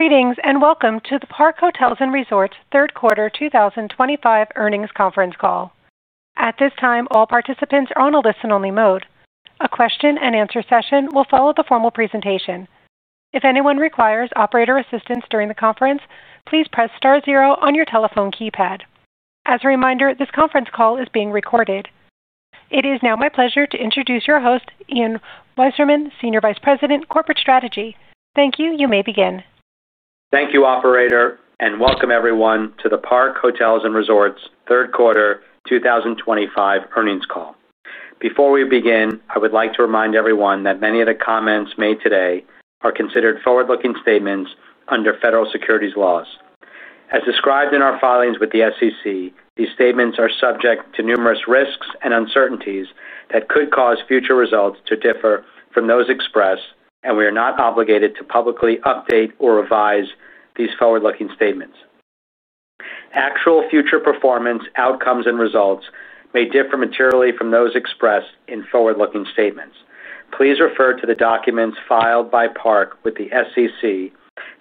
Greetings and welcome to the Park Hotels & Resorts third quarter 2025 earnings conference call. At this time, all participants are on a listen-only mode. A question-and-answer session will follow the formal presentation. If anyone requires operator assistance during the conference, please press star zero on your telephone keypad. As a reminder, this conference call is being recorded. It is now my pleasure to introduce your host, Ian Weissman, Senior Vice President, Corporate Strategy. Thank you. You may begin. Thank you, Operator, and welcome everyone to the Park Hotels & Resorts third quarter 2025 earnings call. Before we begin, I would like to remind everyone that many of the comments made today are considered forward-looking statements under federal securities laws. As described in our filings with the SEC, these statements are subject to numerous risks and uncertainties that could cause future results to differ from those expressed, and we are not obligated to publicly update or revise these forward-looking statements. Actual future performance outcomes and results may differ materially from those expressed in forward-looking statements. Please refer to the documents filed by Park with the SEC,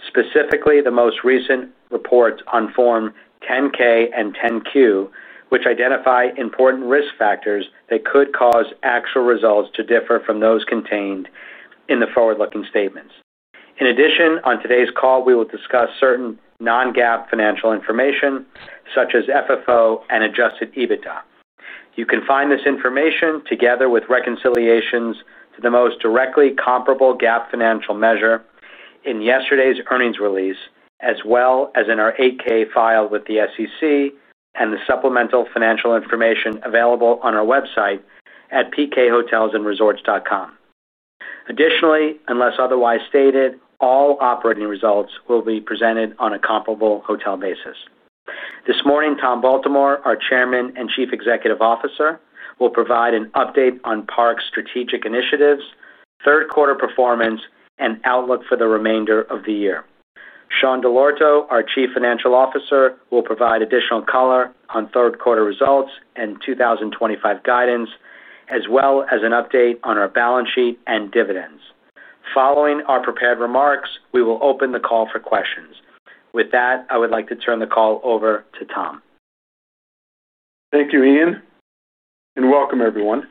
specifically the most recent reports on Form 10-K and 10-Q, which identify important risk factors that could cause actual results to differ from those contained in the forward-looking statements. In addition, on today's call, we will discuss certain non-GAAP financial information such as FFO and Adjusted EBITDA. You can find this information together with reconciliations to the most directly comparable GAAP financial measure in yesterday's earnings release, as well as in our 8-K filed with the SEC and the supplemental financial information available on our website at pkhotelsandresorts.com. Additionally, unless otherwise stated, all operating results will be presented on a comparable hotel basis. This morning, Tom Baltimore, our Chairman and Chief Executive Officer, will provide an update on Park's strategic initiatives, third-quarter performance, and outlook for the remainder of the year. Sean Dell'Orto, our Chief Financial Officer, will provide additional color on third-quarter results and 2025 guidance, as well as an update on our balance sheet and dividends. Following our prepared remarks, we will open the call for questions. With that, I would like to turn the call over to Tom. Thank you, Ian, and welcome everyone.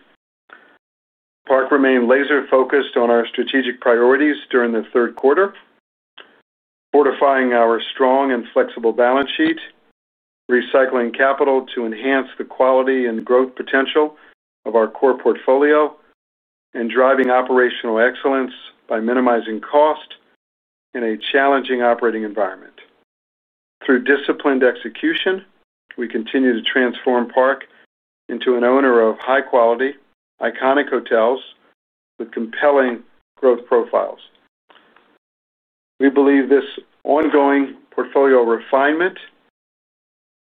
Park remained laser-focused on our strategic priorities during the third quarter, fortifying our strong and flexible balance sheet, recycling capital to enhance the quality and growth potential of our core portfolio, and driving operational excellence by minimizing cost in a challenging operating environment. Through disciplined execution, we continue to transform Park into an owner of high-quality, iconic hotels with compelling growth profiles. We believe this ongoing portfolio refinement,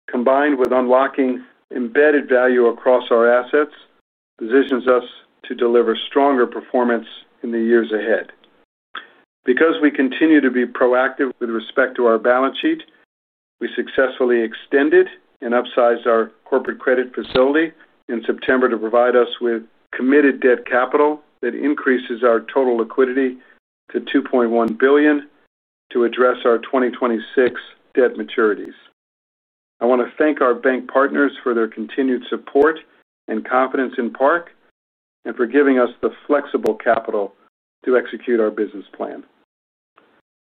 combined with unlocking embedded value across our assets, positions us to deliver stronger performance in the years ahead. Because we continue to be proactive with respect to our balance sheet, we successfully extended and upsized our corporate credit facility in September to provide us with committed debt capital that increases our total liquidity to $2.1 billion to address our 2026 debt maturities. I want to thank our bank partners for their continued support and confidence in Park, and for giving us the flexible capital to execute our business plan.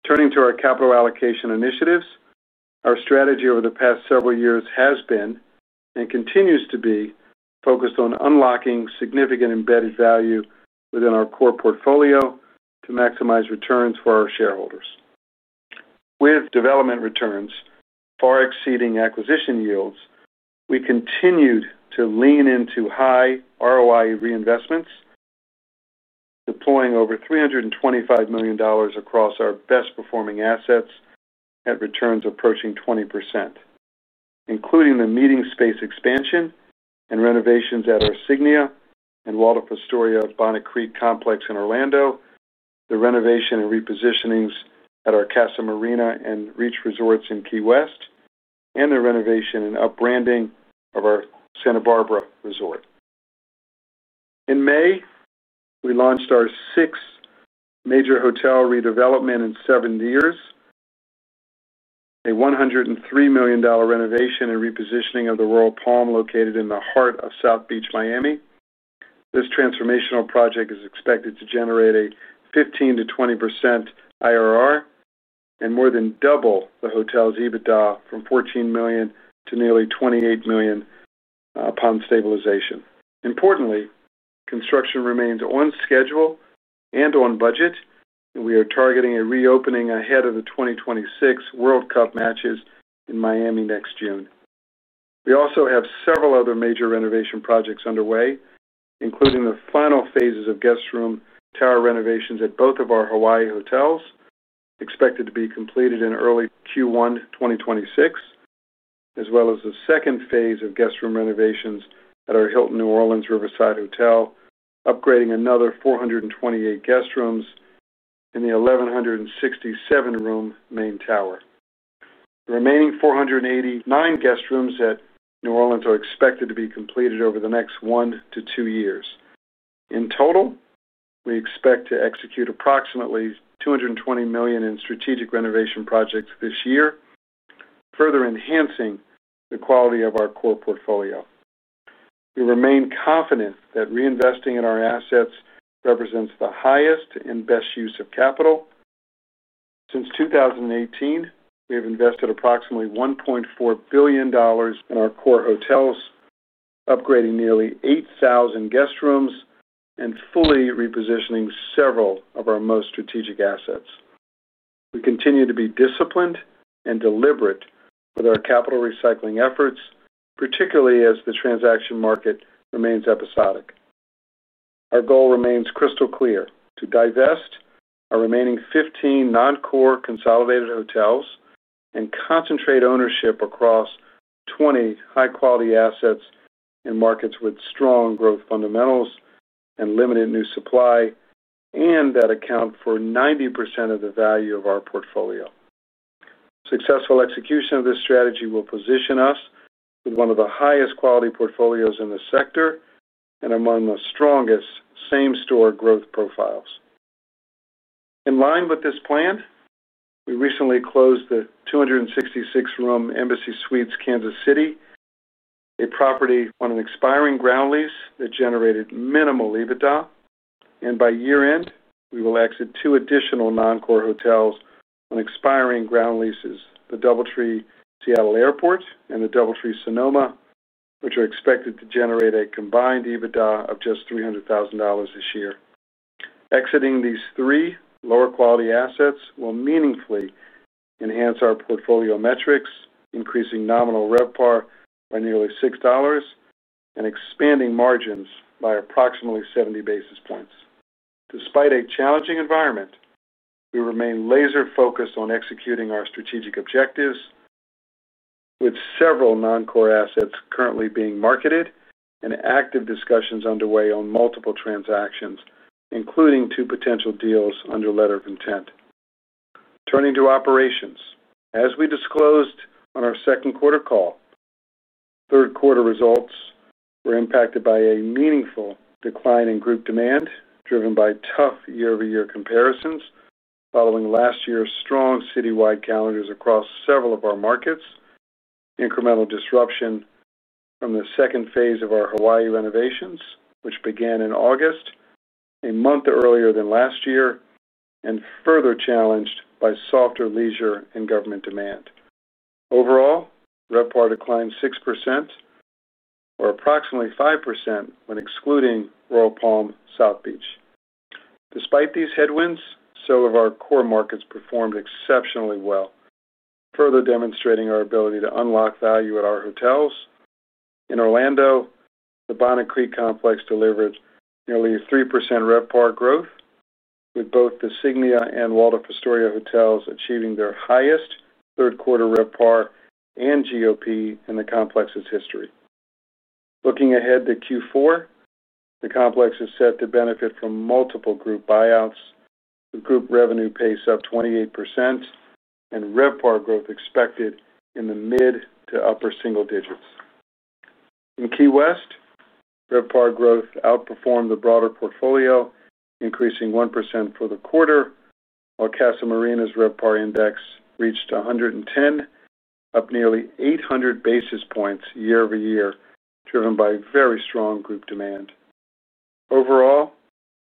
Turning to our capital allocation initiatives, our strategy over the past several years has been, and continues to be, focused on unlocking significant embedded value within our core portfolio to maximize returns for our shareholders. With development returns far exceeding acquisition yields, we continued to lean into high-ROI reinvestments, deploying over $325 million across our best-performing assets at returns approaching 20%, including the meeting space expansion and renovations at our Signia and Waldorf Astoria Bonnet Creek complex in Orlando, the renovation and repositionings at our Casa Marina and Beach Resorts in Key West, and the renovation and upbranding of our Santa Barbara Resort. In May, we launched our sixth major hotel redevelopment in seven years, a $103 million renovation and repositioning of the Royal Palm located in the heart of Miami. This transformational project is expected to generate a 15%-20% IRR and more than double the hotel's EBITDA from $14 million to nearly $28 million upon stabilization. Importantly, construction remains on schedule and on budget, and we are targeting a reopening ahead of the 2026 World Cup matches in Miami next June. We also have several other major renovation projects underway, including the final phases of guest room tower renovations at both of our Hawaii hotels, expected to be completed in early Q1 2026. As well as the second phase of guest room renovations at our Hilton New Orleans Riverside Hotel, upgrading another 428 guest rooms in the 1,167-room main tower. The remaining 489 guest rooms at New Orleans are expected to be completed over the next one to two years. In total, we expect to execute approximately $220 million in strategic renovation projects this year, further enhancing the quality of our core portfolio. We remain confident that reinvesting in our assets represents the highest and best use of capital. Since 2018, we have invested approximately $1.4 billion in our core hotels, upgrading nearly 8,000 guest rooms and fully repositioning several of our most strategic assets. We continue to be disciplined and deliberate with our capital recycling efforts, particularly as the transaction market remains episodic. Our goal remains crystal clear to divest our remaining 15 non-core consolidated hotels and concentrate ownership across 20 high-quality assets in markets with strong growth fundamentals and limited new supply, and that account for 90% of the value of our portfolio. Successful execution of this strategy will position us with one of the highest quality portfolios in the sector and among the strongest same-store growth profiles. In line with this plan, we recently closed the 266-room Embassy Suites Kansas City Plaza Hotel, a property on an expiring ground lease that generated minimal EBITDA, and by year-end, we will exit two additional non-core hotels on expiring ground leases: the DoubleTree Seattle Airport and the DoubleTree Sonoma, which are expected to generate a combined EBITDA of just $300,000 this year. Exiting these three lower-quality assets will meaningfully enhance our portfolio metrics, increasing nominal RevPAR by nearly $6 and expanding margins by approximately 70 basis points. Despite a challenging environment, we remain laser-focused on executing our strategic objectives. With several non-core assets currently being marketed and active discussions underway on multiple transactions, including two potential deals under letter of intent. Turning to operations, as we disclosed on our second quarter call, third quarter results were impacted by a meaningful decline in group demand driven by tough year-over-year comparisons following last year's strong citywide calendars across several of our markets, incremental disruption from the second phase of our Hawaii renovations, which began in August. A month earlier than last year, and further challenged by softer leisure and government demand. Overall, RevPAR declined 6%, or approximately 5% when excluding Royal Palm South Beach. Despite these headwinds, some of our core markets performed exceptionally well, further demonstrating our ability to unlock value at our hotels. In Orlando, the Bonnet Creek complex delivered nearly 3% RevPAR growth, with both the Signia and Waldorf Astoria hotels achieving their highest third-quarter RevPAR and GOP in the complex's history. Looking ahead to Q4, the complex is set to benefit from multiple group buyouts, with group revenue pace up 28% and RevPAR growth expected in the mid to upper single digits. In Key West, RevPAR growth outperformed the broader portfolio, increasing 1% for the quarter, while Casa Marina's RevPAR index reached 110, up nearly 800 basis points year-over-year, driven by very strong group demand. Overall,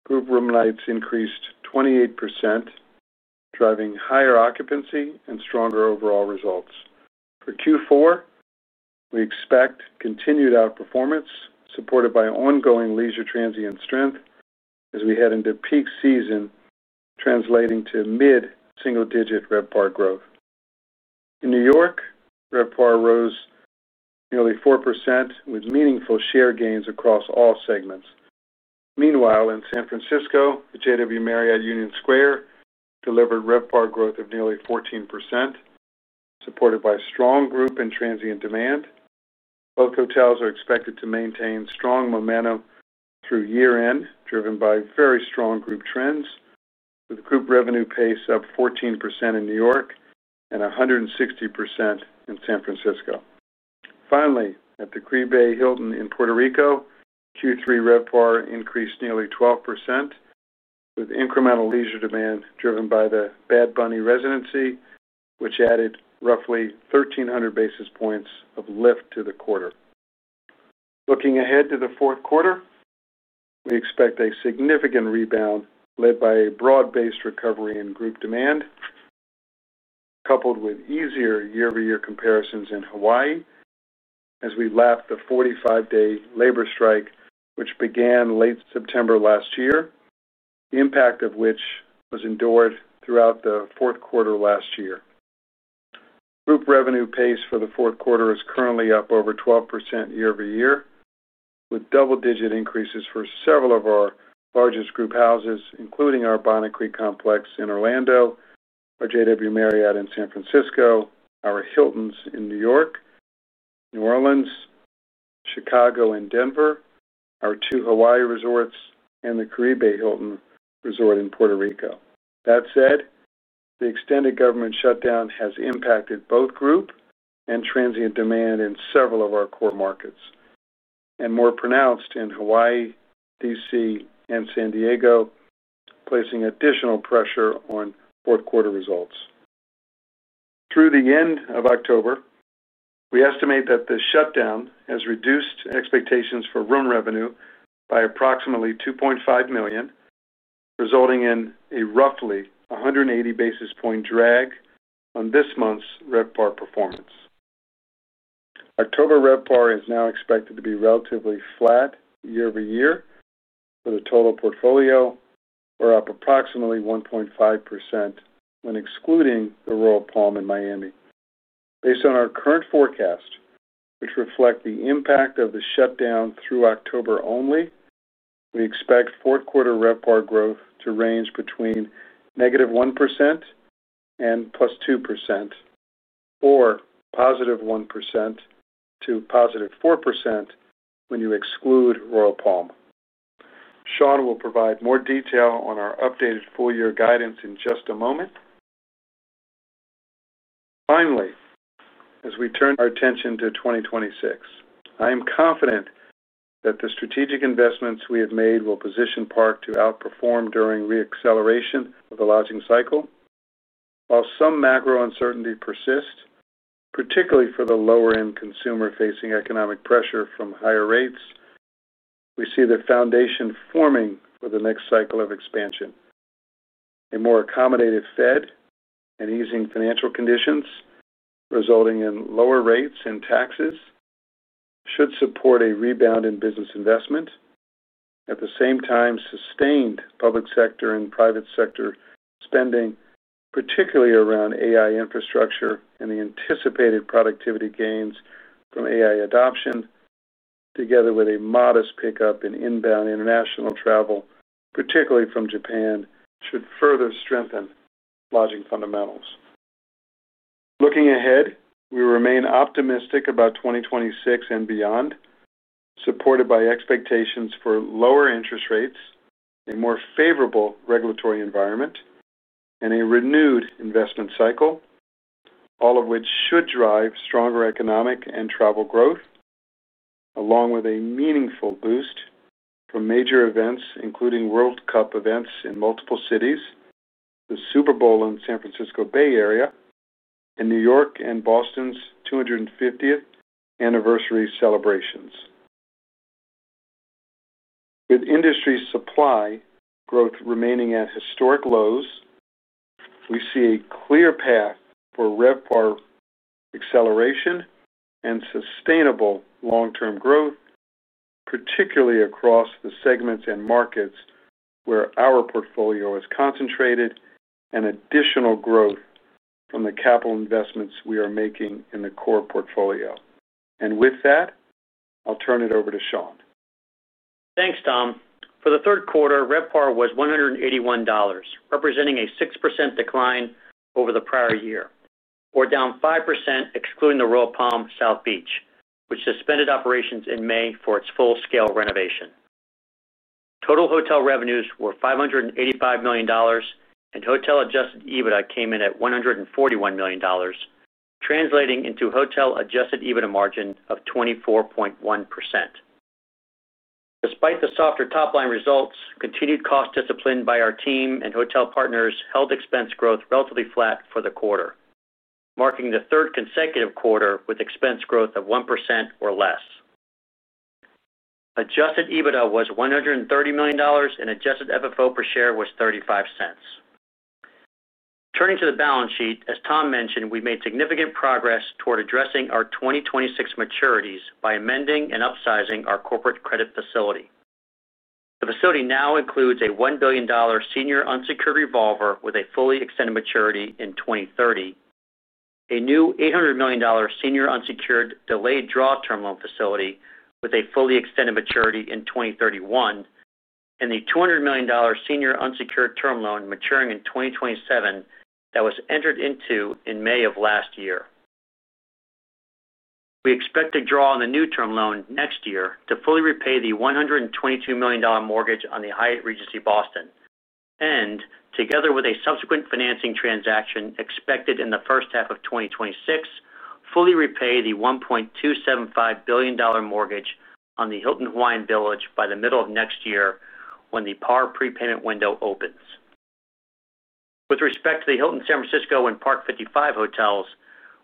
group room nights increased 28%, driving higher occupancy and stronger overall results. For Q4, we expect continued outperformance supported by ongoing leisure transient strength as we head into peak season, translating to mid-single-digit RevPAR growth. In New York, RevPAR rose nearly 4%, with meaningful share gains across all segments. Meanwhile, in San Francisco, the JW Marriott Union Square delivered RevPAR growth of nearly 14%, supported by strong group and transient demand. Both hotels are expected to maintain strong momentum through year-end, driven by very strong group trends, with group revenue pace up 14% in New York and 160% in San Francisco. Finally, at the Caribe Hilton in Puerto Rico, Q3 RevPAR increased nearly 12%, with incremental leisure demand driven by the Bad Bunny residency, which added roughly 1,300 basis points of lift to the quarter. Looking ahead to the fourth quarter, we expect a significant rebound led by a broad-based recovery in group demand, coupled with easier year-over-year comparisons in Hawaii as we lapped the 45-day labor strike, which began late September last year, the impact of which was endured throughout the fourth quarter last year. Group revenue pace for the fourth quarter is currently up over 12% year-over-year, with double-digit increases for several of our largest group houses, including our Bonnet Creek complex in Orlando, our JW Marriott in San Francisco, our Hiltons in New York, New Orleans, Chicago, and Denver, our two Hawaii resorts, and the Caribe Hilton Resort in Puerto Rico. That said, the extended government shutdown has impacted both group and transient demand in several of our core markets, and more pronounced in Hawaii, DC, and San Diego, placing additional pressure on fourth-quarter results. Through the end of October, we estimate that the shutdown has reduced expectations for room revenue by approximately $2.5 million, resulting in a roughly 180 basis point drag on this month's RevPAR performance. October RevPAR is now expected to be relatively flat year-over-year, with a total portfolio up approximately 1.5% when excluding the Royal Palm South Beach in Miami. Based on our current forecast, which reflects the impact of the shutdown through October only, we expect fourth-quarter RevPAR growth to range between -1% and +2%, or +1% to +4% when you exclude Royal Palm. Sean will provide more detail on our updated full-year guidance in just a moment. Finally, as we turn our attention to 2026, I am confident that the strategic investments we have made will position Park to outperform during re-acceleration of the lodging cycle. While some macro uncertainty persists, particularly for the lower-end consumer facing economic pressure from higher rates, we see the foundation forming for the next cycle of expansion. A more accommodative Fed and easing financial conditions, resulting in lower rates and taxes, should support a rebound in business investment. At the same time, sustained public sector and private sector spending, particularly around AI infrastructure and the anticipated productivity gains from AI adoption, together with a modest pickup in inbound international travel, particularly from Japan, should further strengthen lodging fundamentals. Looking ahead, we remain optimistic about 2026 and beyond, supported by expectations for lower interest rates, a more favorable regulatory environment, and a renewed investment cycle, all of which should drive stronger economic and travel growth, along with a meaningful boost from major events, including World Cup events in multiple cities, the Super Bowl in the San Francisco Bay Area, and New York and Boston's 250th anniversary celebrations. With industry supply growth remaining at historic lows, we see a clear path for RevPAR acceleration and sustainable long-term growth, particularly across the segments and markets where our portfolio is concentrated, and additional growth from the capital investments we are making in the core portfolio. And with that. I'll turn it over to Sean. Thanks, Tom. For the third quarter, RevPAR was $181, representing a 6% decline over the prior year, or down 5% excluding the Royal Palm South Beach, which suspended operations in May for its full-scale renovation. Total hotel revenues were $585 million, and hotel-Adjusted EBITDA came in at $141 million, translating into hotel-Adjusted EBITDA margin of 24.1%. Despite the softer top-line results, continued cost discipline by our team and hotel partners held expense growth relatively flat for the quarter, marking the third consecutive quarter with expense growth of 1% or less. Adjusted EBITDA was $130 million, and adjusted FFO per share was $0.35. Turning to the balance sheet, as Tom mentioned, we made significant progress toward addressing our 2026 maturities by amending and upsizing our corporate credit facility. The facility now includes a $1 billion senior unsecured revolver with a fully extended maturity in 2030, a new $800 million senior unsecured delayed draw term loan facility with a fully extended maturity in 2031, and the $200 million senior unsecured term loan maturing in 2027 that was entered into in May of last year. We expect to draw on the new term loan next year to fully repay the $122 million mortgage on the Hyatt Regency Boston, and together with a subsequent financing transaction expected in the first half of 2026, fully repay the $1.275 billion mortgage on the Hilton Hawaiian Village by the middle of next year when the PAR prepayment window opens. With respect to the Hilton San Francisco and Park 55 hotels,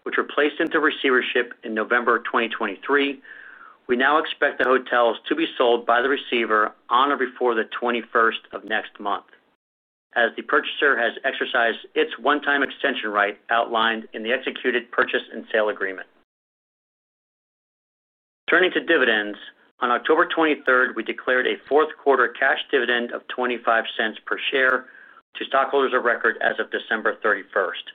which were placed into receivership in November 2023, we now expect the hotels to be sold by the receiver on or before the 21st of next month, as the purchaser has exercised its one-time extension right outlined in the executed purchase and sale agreement. Turning to dividends, on October 23, we declared a fourth-quarter cash dividend of $0.25 per share to stockholders of record as of December 31strd,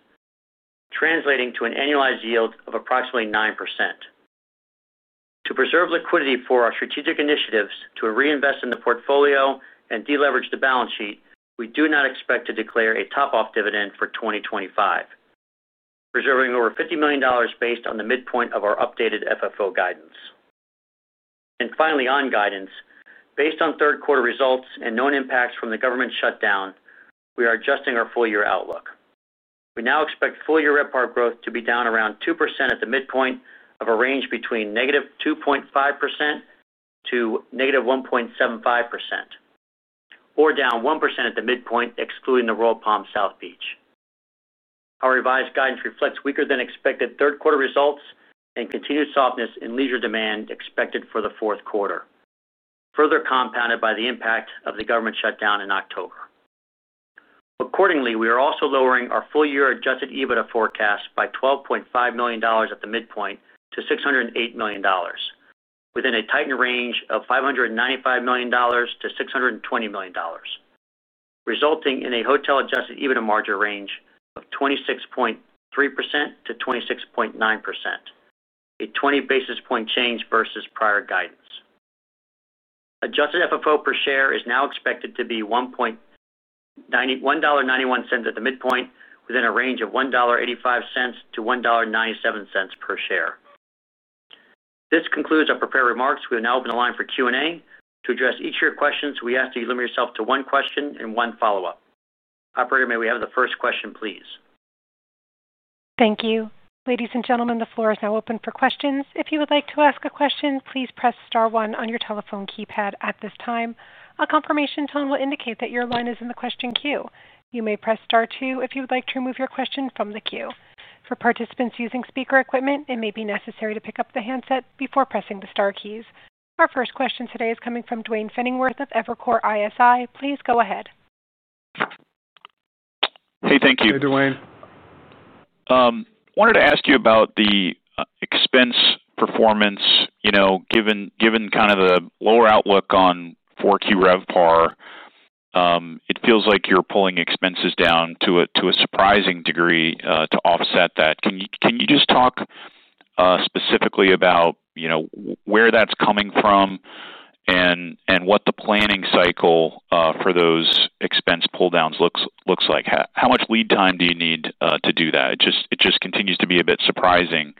translating to an annualized yield of approximately 9%. To preserve liquidity for our strategic initiatives to reinvest in the portfolio and deleverage the balance sheet, we do not expect to declare a top-off dividend for 2025, preserving over $50 million based on the midpoint of our updated FFO guidance. Finally, on guidance, based on third-quarter results and known impacts from the government shutdown, we are adjusting our full-year outlook. We now expect full-year RevPAR growth to be down around 2% at the midpoint of a range between -2.5% to -1.75%, or down 1% at the midpoint, excluding the Royal Palm South Beach. Our revised guidance reflects weaker-than-expected third-quarter results and continued softness in leisure demand expected for the fourth quarter, further compounded by the impact of the government shutdown in October. Accordingly, we are also lowering our full-year Adjusted EBITDA forecast by $12.5 million at the midpoint to $608 million, within a tightened range of $595 million-$620 million, resulting in a hotel-Adjusted EBITDA margin range of 26.3%-26.9%, a 20 basis point change versus prior guidance. Adjusted FFO per share is now expected to be $1.91 at the midpoint, within a range of $1.85-$1.97 per share. This concludes our prepared remarks. We will now open the line for Q&A. To address each of your questions, we ask that you limit yourself to one question and one follow-up. Operator, may we have the first question, please? Thank you. Ladies and gentlemen, the floor is now open for questions. If you would like to ask a question, please press star one on your telephone keypad at this time. A confirmation tone will indicate that your line is in the question queue. You may press star two if you would like to remove your question from the queue. For participants using speaker equipment, it may be necessary to pick up the handset before pressing the star keys. Our first question today is coming from Duane Pfennigwerth of Evercore ISI. Please go ahead. Hey, thank you. Hey, Duane. I wanted to ask you about the expense performance. Given kind of the lower outlook on 4Q RevPAR, it feels like you're pulling expenses down to a surprising degree to offset that. Can you just talk specifically about where that's coming from and what the planning cycle for those expense pulldowns looks like? How much lead time do you need to do that? It just continues to be a bit surprising,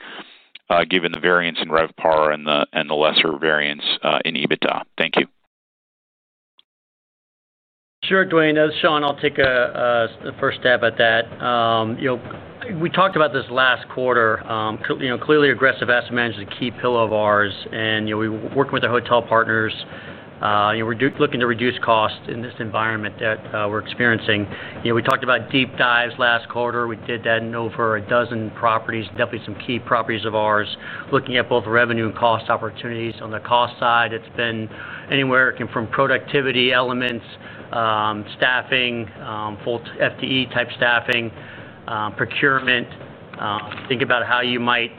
given the variance in RevPAR and the lesser variance in EBITDA. Thank you. Sure, Duane. Sean, I'll take the first stab at that. We talked about this last quarter. Clearly, aggressive asset management is a key pillar of ours, and we're working with our hotel partners. We're looking to reduce costs in this environment that we're experiencing. We talked about deep dives last quarter. We did that in over a dozen properties, definitely some key properties of ours. Looking at both revenue and cost opportunities. On the cost side, it's been anywhere from productivity elements, staffing, full FTE-type staffing, procurement, thinking about how you might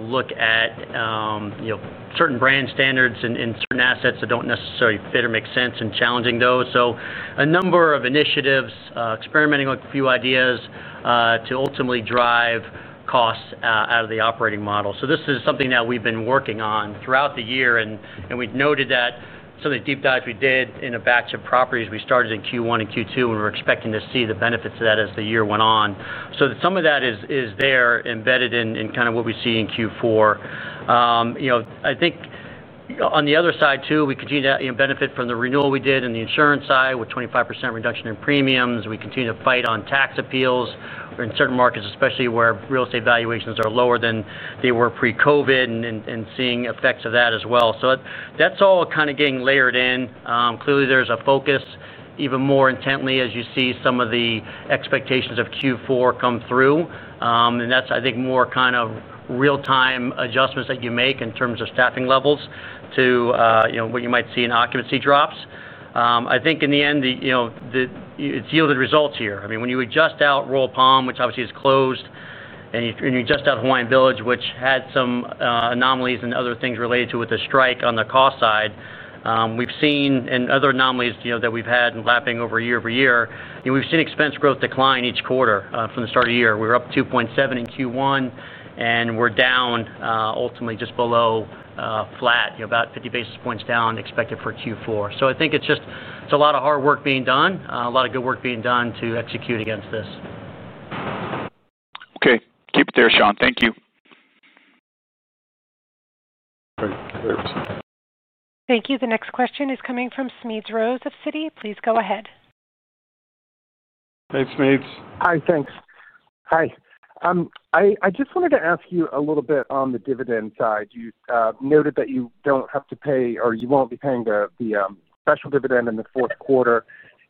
look at certain brand standards and certain assets that don't necessarily fit or make sense and challenging those. A number of initiatives, experimenting with a few ideas to ultimately drive costs out of the operating model. This is something that we've been working on throughout the year, and we've noted that some of the deep dives we did in a batch of properties, we started in Q1 and Q2, and we're expecting to see the benefits of that as the year went on. Some of that is there embedded in kind of what we see in Q4. On the other side, too, we continue to benefit from the renewal we did in the insurance side with 25% reduction in premiums. We continue to fight on tax appeals in certain markets, especially where real estate valuations are lower than they were pre-COVID and seeing effects of that as well. That's all kind of getting layered in. Clearly, there's a focus even more intently as you see some of the expectations of Q4 come through. That's, I think, more kind of real-time adjustments that you make in terms of staffing levels to what you might see in occupancy drops. In the end, it's yielded results here. I mean, when you adjust out Royal Palm, which obviously is closed, and you adjust out Hilton Hawaiian Village Hotel, which had some anomalies and other things related to it with the strike on the cost side, we've seen in other anomalies that we've had and lapping over year over year, we've seen expense growth decline each quarter from the start of the year. We were up 2.7% in Q1, and we're down ultimately just below flat, about 50 basis points down expected for Q4. I think it's just a lot of hard work being done, a lot of good work being done to execute against this. Okay. Keep it there, Sean. Thank you. Thank you. The next question is coming from Smedes Rose of Citi. Please go ahead. Hey, Smedes. Hi, thanks. Hi. I just wanted to ask you a little bit on the dividend side. You noted that you don't have to pay or you won't be paying the special dividend in the fourth quarter.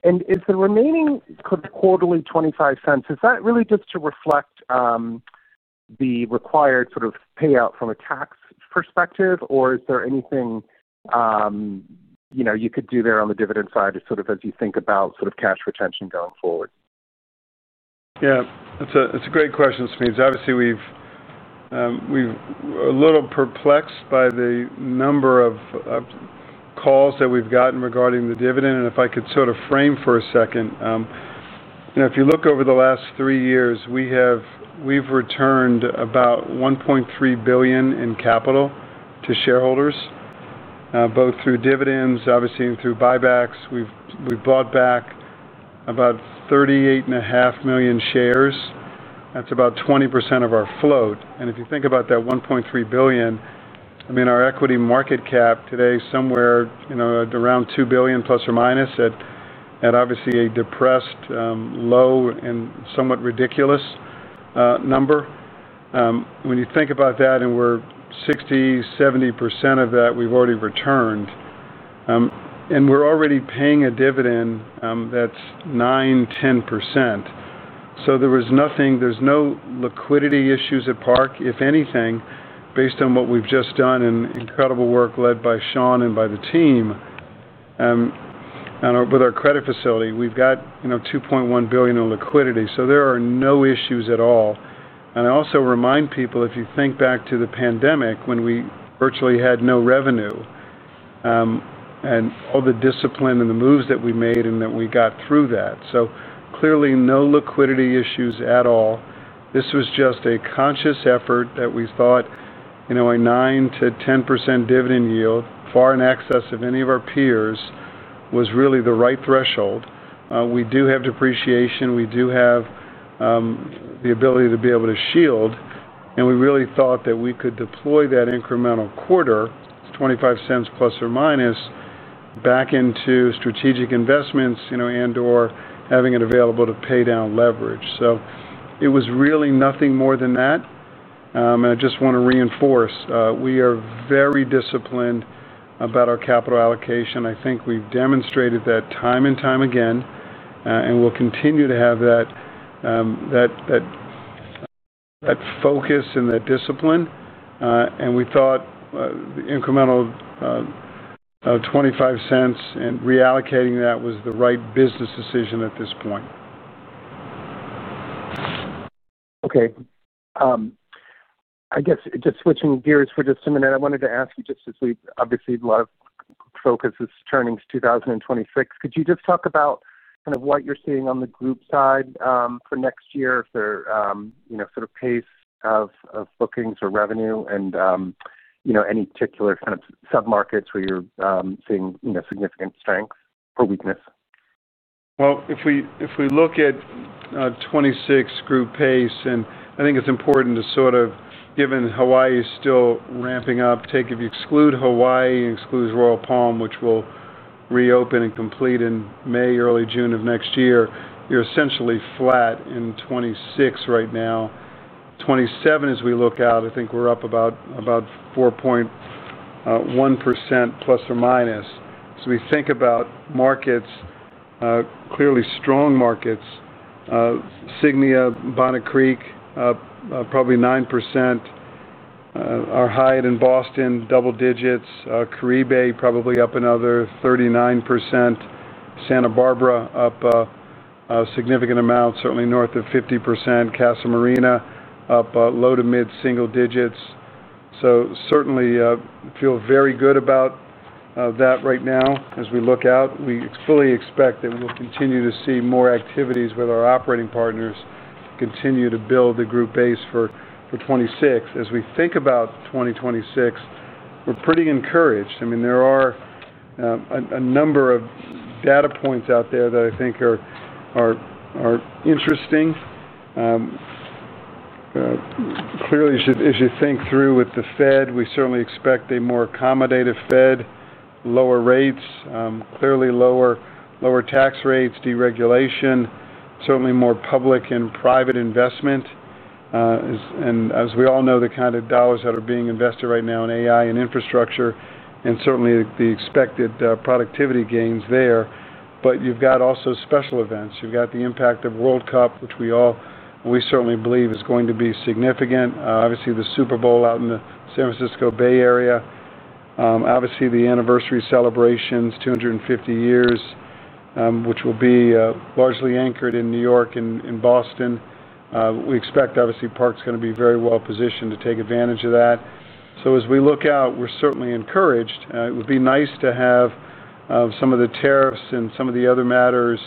Is the remaining quarterly $0.25, is that really just to reflect the required sort of payout from a tax perspective, or is there anything you could do there on the dividend side as you think about sort of cash retention going forward? Yeah. It's a great question, Smedes. Obviously, we've been a little perplexed by the number of calls that we've gotten regarding the dividend. If I could sort of frame for a second, if you look over the last three years, we've returned about $1.3 billion in capital to shareholders, both through dividends, obviously, and through buybacks. We've bought back about 38.5 million shares. That's about 20% of our float. If you think about that $1.3 billion, I mean, our equity market cap today is somewhere around $2 billion±, at obviously a depressed, low, and somewhat ridiculous number. When you think about that and we're 60%, 70% of that, we've already returned, and we're already paying a dividend that's 9%, 10%. There's no liquidity issues at Park. If anything, based on what we've just done and incredible work led by Sean and by the team with our credit facility, we've got $2.1 billion in liquidity. There are no issues at all. I also remind people, if you think back to the pandemic when we virtually had no revenue, and all the discipline and the moves that we made and that we got through that. Clearly, no liquidity issues at all. This was just a conscious effort that we thought a 9%-10% dividend yield, far in excess of any of our peers, was really the right threshold. We do have depreciation. We do have the ability to be able to shield, and we really thought that we could deploy that incremental quarter, $0.25±, back into strategic investments and/or having it available to pay down leverage. It was really nothing more than that. I just want to reinforce we are very disciplined about our capital allocation. I think we've demonstrated that time and time again, and we'll continue to have that focus and that discipline. We thought the incremental $0.25 and reallocating that was the right business decision at this point. Okay. I guess just switching gears for just a minute, I wanted to ask you just as we obviously have a lot of focus is turning to 2026. Could you just talk about kind of what you're seeing on the group side for next year, for sort of pace of bookings or revenue, and any particular kind of sub-markets where you're seeing significant strength or weakness? If we look at. Group pace, and I think it's important to sort of, given Hawaii is still ramping up, take if you exclude Hawaii and exclude Royal Palm, which will reopen and complete in May, early June of next year, you're essentially flat in 2026 right now. 2027 as we look out, I think we're up about 4.1%±. We think about markets. Clearly strong markets. Signia, Bonnet Creek, probably 9%. Our Hyatt in Boston, double digits. Caribe probably up another 39%. Santa Barbara up a significant amount, certainly north of 50%. Casa Marina up low to mid single digits. Certainly feel very good about that right now. As we look out, we fully expect that we'll continue to see more activities with our operating partners continue to build the group base for 2026. As we think about 2026, we're pretty encouraged. There are a number of data points out there that I think are interesting. Clearly, as you think through with the Fed, we certainly expect a more accommodative Fed, lower rates, clearly lower tax rates, deregulation, certainly more public and private investment. As we all know, the kind of dollars that are being invested right now in AI and infrastructure, and certainly the expected productivity gains there. You've got also special events. You've got the impact of World Cup, which we certainly believe is going to be significant. Obviously, the Super Bowl out in the San Francisco Bay Area. Obviously, the anniversary celebrations, 250 years, which will be largely anchored in New York and Boston. We expect, obviously, Park's going to be very well positioned to take advantage of that. As we look out, we're certainly encouraged. It would be nice to have some of the tariffs and some of the other matters,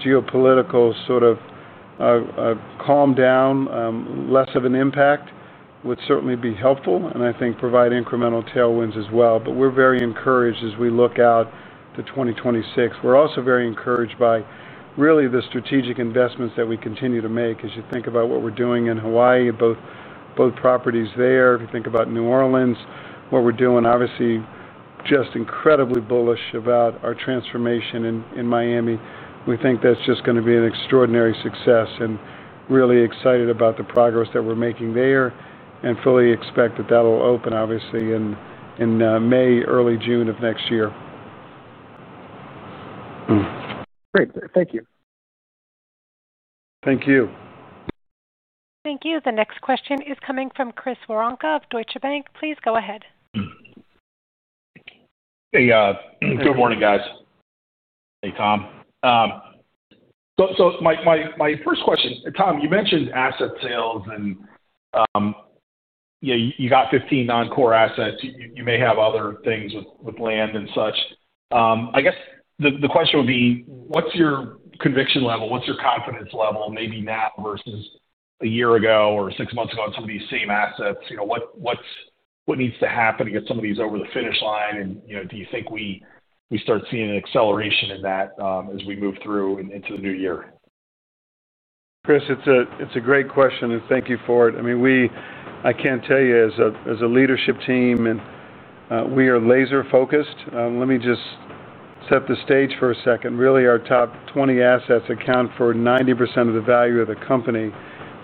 geopolitical sort of calm down. Less of an impact would certainly be helpful, and I think provide incremental tailwinds as well. We're very encouraged as we look out to 2026. We're also very encouraged by really the strategic investments that we continue to make. As you think about what we're doing in Hawaii, both properties there. If you think about New Orleans, what we're doing, obviously just incredibly bullish about our transformation in Miami. We think that's just going to be an extraordinary success and really excited about the progress that we're making there and fully expect that that'll open, obviously, in May, early June of next year. Great. Thank you. Thank you. Thank you. The next question is coming from Chris Woronka of Deutsche Bank. Please go ahead. Hey. Good morning, guys. Hey, Tom. My first question, Tom, you mentioned asset sales. You got 15 non-core assets. You may have other things with land and such. I guess the question would be, what's your conviction level? What's your confidence level, maybe now versus a year ago or six months ago on some of these same assets? What needs to happen to get some of these over the finish line? Do you think we start seeing an acceleration in that as we move through into the new year? Chris, it's a great question, and thank you for it. I can't tell you as a leadership team, we are laser-focused. Let me just set the stage for a second. Really, our top 20 assets account for 90% of the value of the company.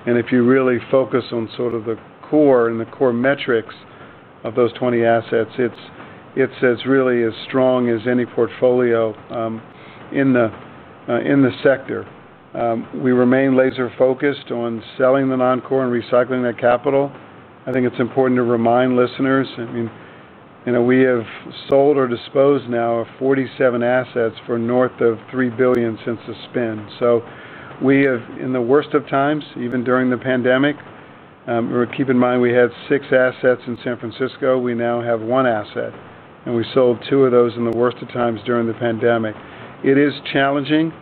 If you really focus on sort of the core and the core metrics of those 20 assets, it's really as strong as any portfolio in the sector. We remain laser-focused on selling the non-core and recycling that capital. I think it's important to remind listeners. We have sold or disposed now of 47 assets for north of $3 billion since the spin. We have, in the worst of times, even during the pandemic. Keep in mind, we had six assets in San Francisco. We now have one asset. We sold two of those in the worst of times during the pandemic. It is challenging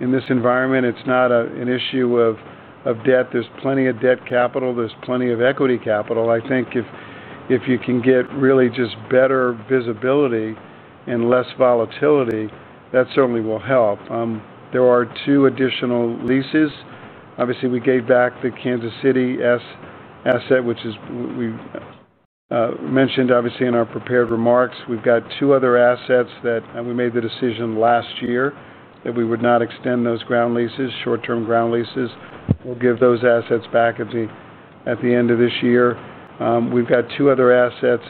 in this environment. It's not an issue of debt. There's plenty of debt capital. There's plenty of equity capital. I think if you can get really just better visibility and less volatility, that certainly will help. There are two additional leases. Obviously, we gave back the Kansas City asset, which we mentioned in our prepared remarks. We've got two other assets that we made the decision last year that we would not extend those ground leases, short-term ground leases. We'll give those assets back at the end of this year. We've got two other assets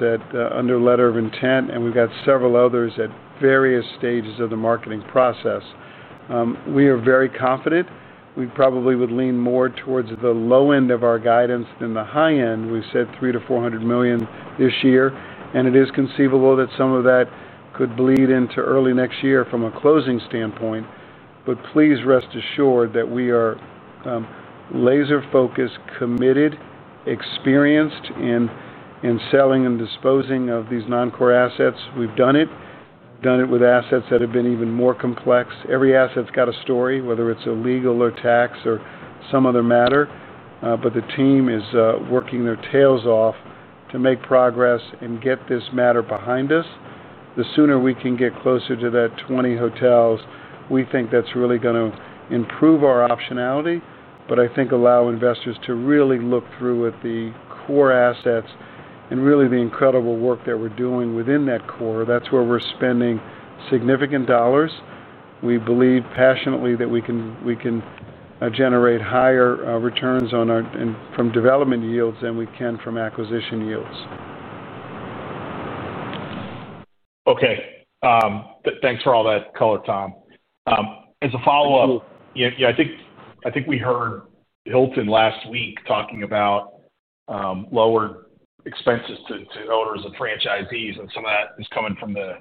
under letter of intent, and we've got several others at various stages of the marketing process. We are very confident. We probably would lean more towards the low end of our guidance than the high end. We said $300 million-$400 million this year. It is conceivable that some of that could bleed into early next year from a closing standpoint. Please rest assured that we are laser-focused, committed, experienced in selling and disposing of these non-core assets. We've done it with assets that have been even more complex. Every asset's got a story, whether it's a legal or tax or some other matter. The team is working their tails off to make progress and get this matter behind us. The sooner we can get closer to that 20 hotels, we think that's really going to improve our optionality. I think it will allow investors to really look through at the core assets and really the incredible work that we're doing within that core. That's where we're spending significant dollars. We believe passionately that we can generate higher returns from development yields than we can from acquisition yields. Okay. Thanks for all that color, Tom. As a follow-up, I think we heard Hilton last week talking about lower expenses to owners and franchisees, and some of that is coming from the,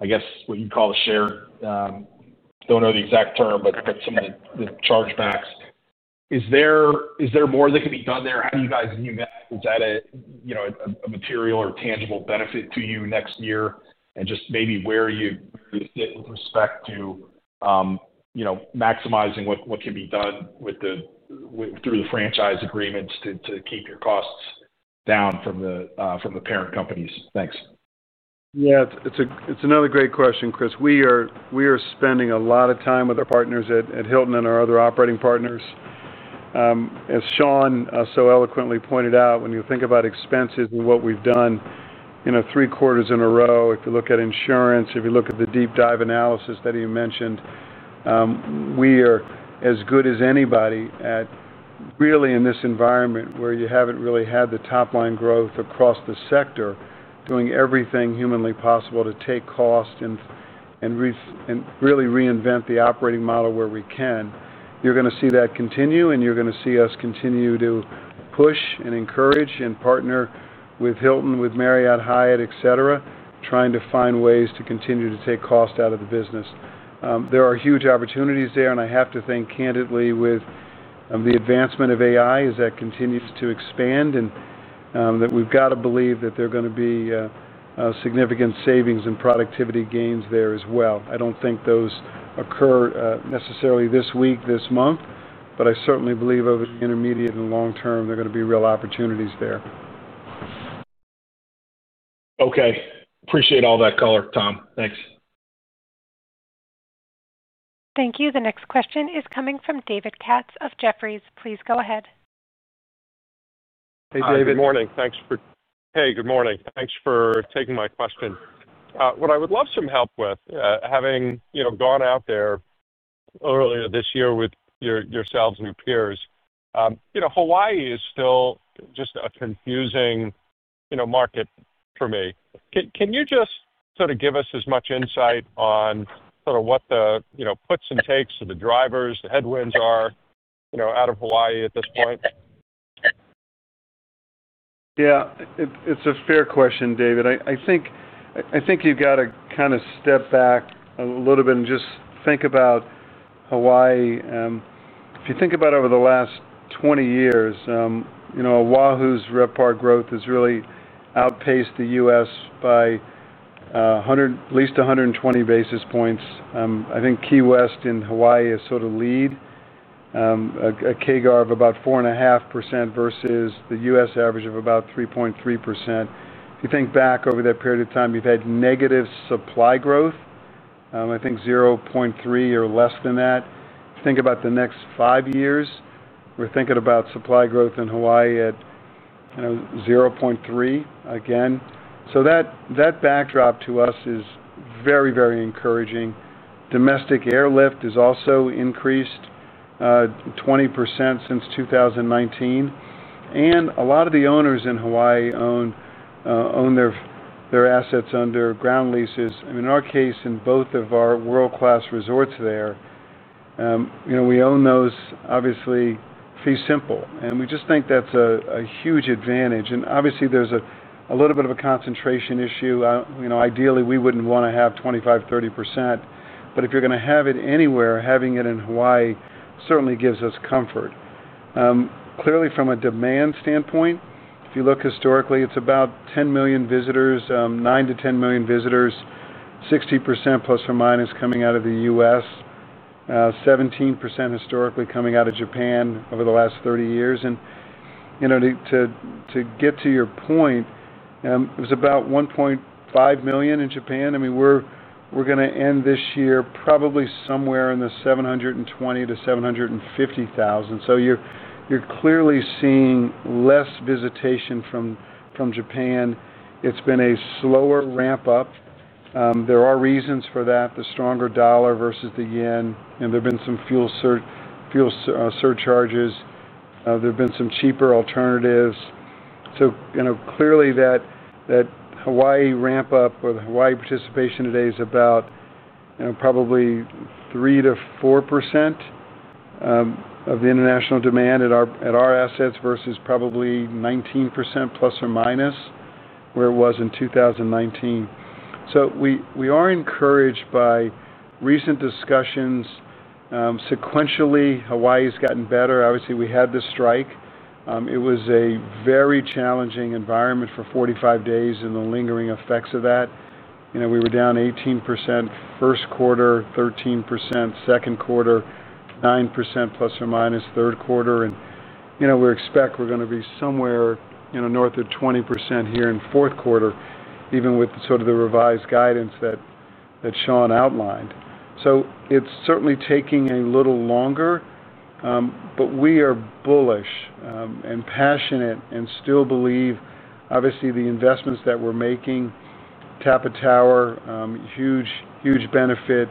I guess, what you'd call the shared—I don't know the exact term, but some of the chargebacks. Is there more that can be done there? How do you guys view that? Is that a material or tangible benefit to you next year? Just maybe where you sit with respect to maximizing what can be done through the franchise agreements to keep your costs down from the parent companies. Thanks. Yeah. It's another great question, Chris. We are spending a lot of time with our partners at Hilton and our other operating partners. As Sean so eloquently pointed out, when you think about expenses and what we've done three quarters in a row, if you look at insurance, if you look at the deep dive analysis that you mentioned, we are as good as anybody at really in this environment where you haven't really had the top-line growth across the sector, doing everything humanly possible to take cost and really reinvent the operating model where we can. You're going to see that continue, and you're going to see us continue to push and encourage and partner with Hilton, with Marriott, Hyatt, etc., trying to find ways to continue to take cost out of the business. There are huge opportunities there, and I have to thank candidly with the advancement of AI as that continues to expand and that we've got to believe that there are going to be significant savings and productivity gains there as well. I don't think those occur necessarily this week, this month, but I certainly believe over the intermediate and long term, there are going to be real opportunities there. Okay. Appreciate all that color, Tom. Thanks. Thank you. The next question is coming from David Katz of Jefferies. Please go ahead. Hey, David. Good morning. Good morning. Thanks for taking my question. What I would love some help with, having gone out there earlier this year with yourselves and your peers, Hawaii is still just a confusing market for me. Can you just sort of give us as much insight on sort of what the puts and takes of the drivers, the headwinds are out of Hawaii at this point? Yeah. It's a fair question, David. I think you've got to kind of step back a little bit and just think about Hawaii. If you think about over the last 20 years, Oahu's RevPAR growth has really outpaced the U.S. by at least 120 basis points. I think Key West and Hawaii have sort of led a CAGR of about 4.5% versus the U.S. average of about 3.3%. If you think back over that period of time, you've had negative supply growth, I think 0.3% or less than that. If you think about the next five years, we're thinking about supply growth in Hawaii at 0.3% again. That backdrop to us is very, very encouraging. Domestic airlift has also increased 20% since 2019. A lot of the owners in Hawaii own their assets under ground leases. In our case, in both of our world-class resorts there, we own those, obviously, fee simple, and we just think that's a huge advantage. Obviously, there's a little bit of a concentration issue. Ideally, we wouldn't want to have 25%-30%, but if you're going to have it anywhere, having it in Hawaii certainly gives us comfort. Clearly, from a demand standpoint, if you look historically, it's about 10 million visitors, 9 million-10 million visitors, 60%± coming out of the U.S., 17% historically coming out of Japan over the last 30 years. To get to your point, it was about 1.5 million in Japan. We're going to end this year probably somewhere in the 720,000-750,000. You're clearly seeing less visitation from Japan. It's been a slower ramp-up. There are reasons for that, the stronger dollar versus the yen. There have been some fuel surcharges. There have been some cheaper alternatives. Clearly, that Hawaii ramp-up or the Hawaii participation today is about probably 3%-4% of the international demand at our assets versus probably 19%± where it was in 2019. We are encouraged by recent discussions. Sequentially, Hawaii's gotten better. Obviously, we had the strike. It was a very challenging environment for 45 days and the lingering effects of that. We were down 18% first quarter, 13% second quarter, 9%± third quarter. We expect we're going to be somewhere north of 20% here in fourth quarter, even with the revised guidance that Sean outlined. It's certainly taking a little longer. We are bullish and passionate and still believe, obviously, the investments that we're making. Tapa Tower, huge benefit.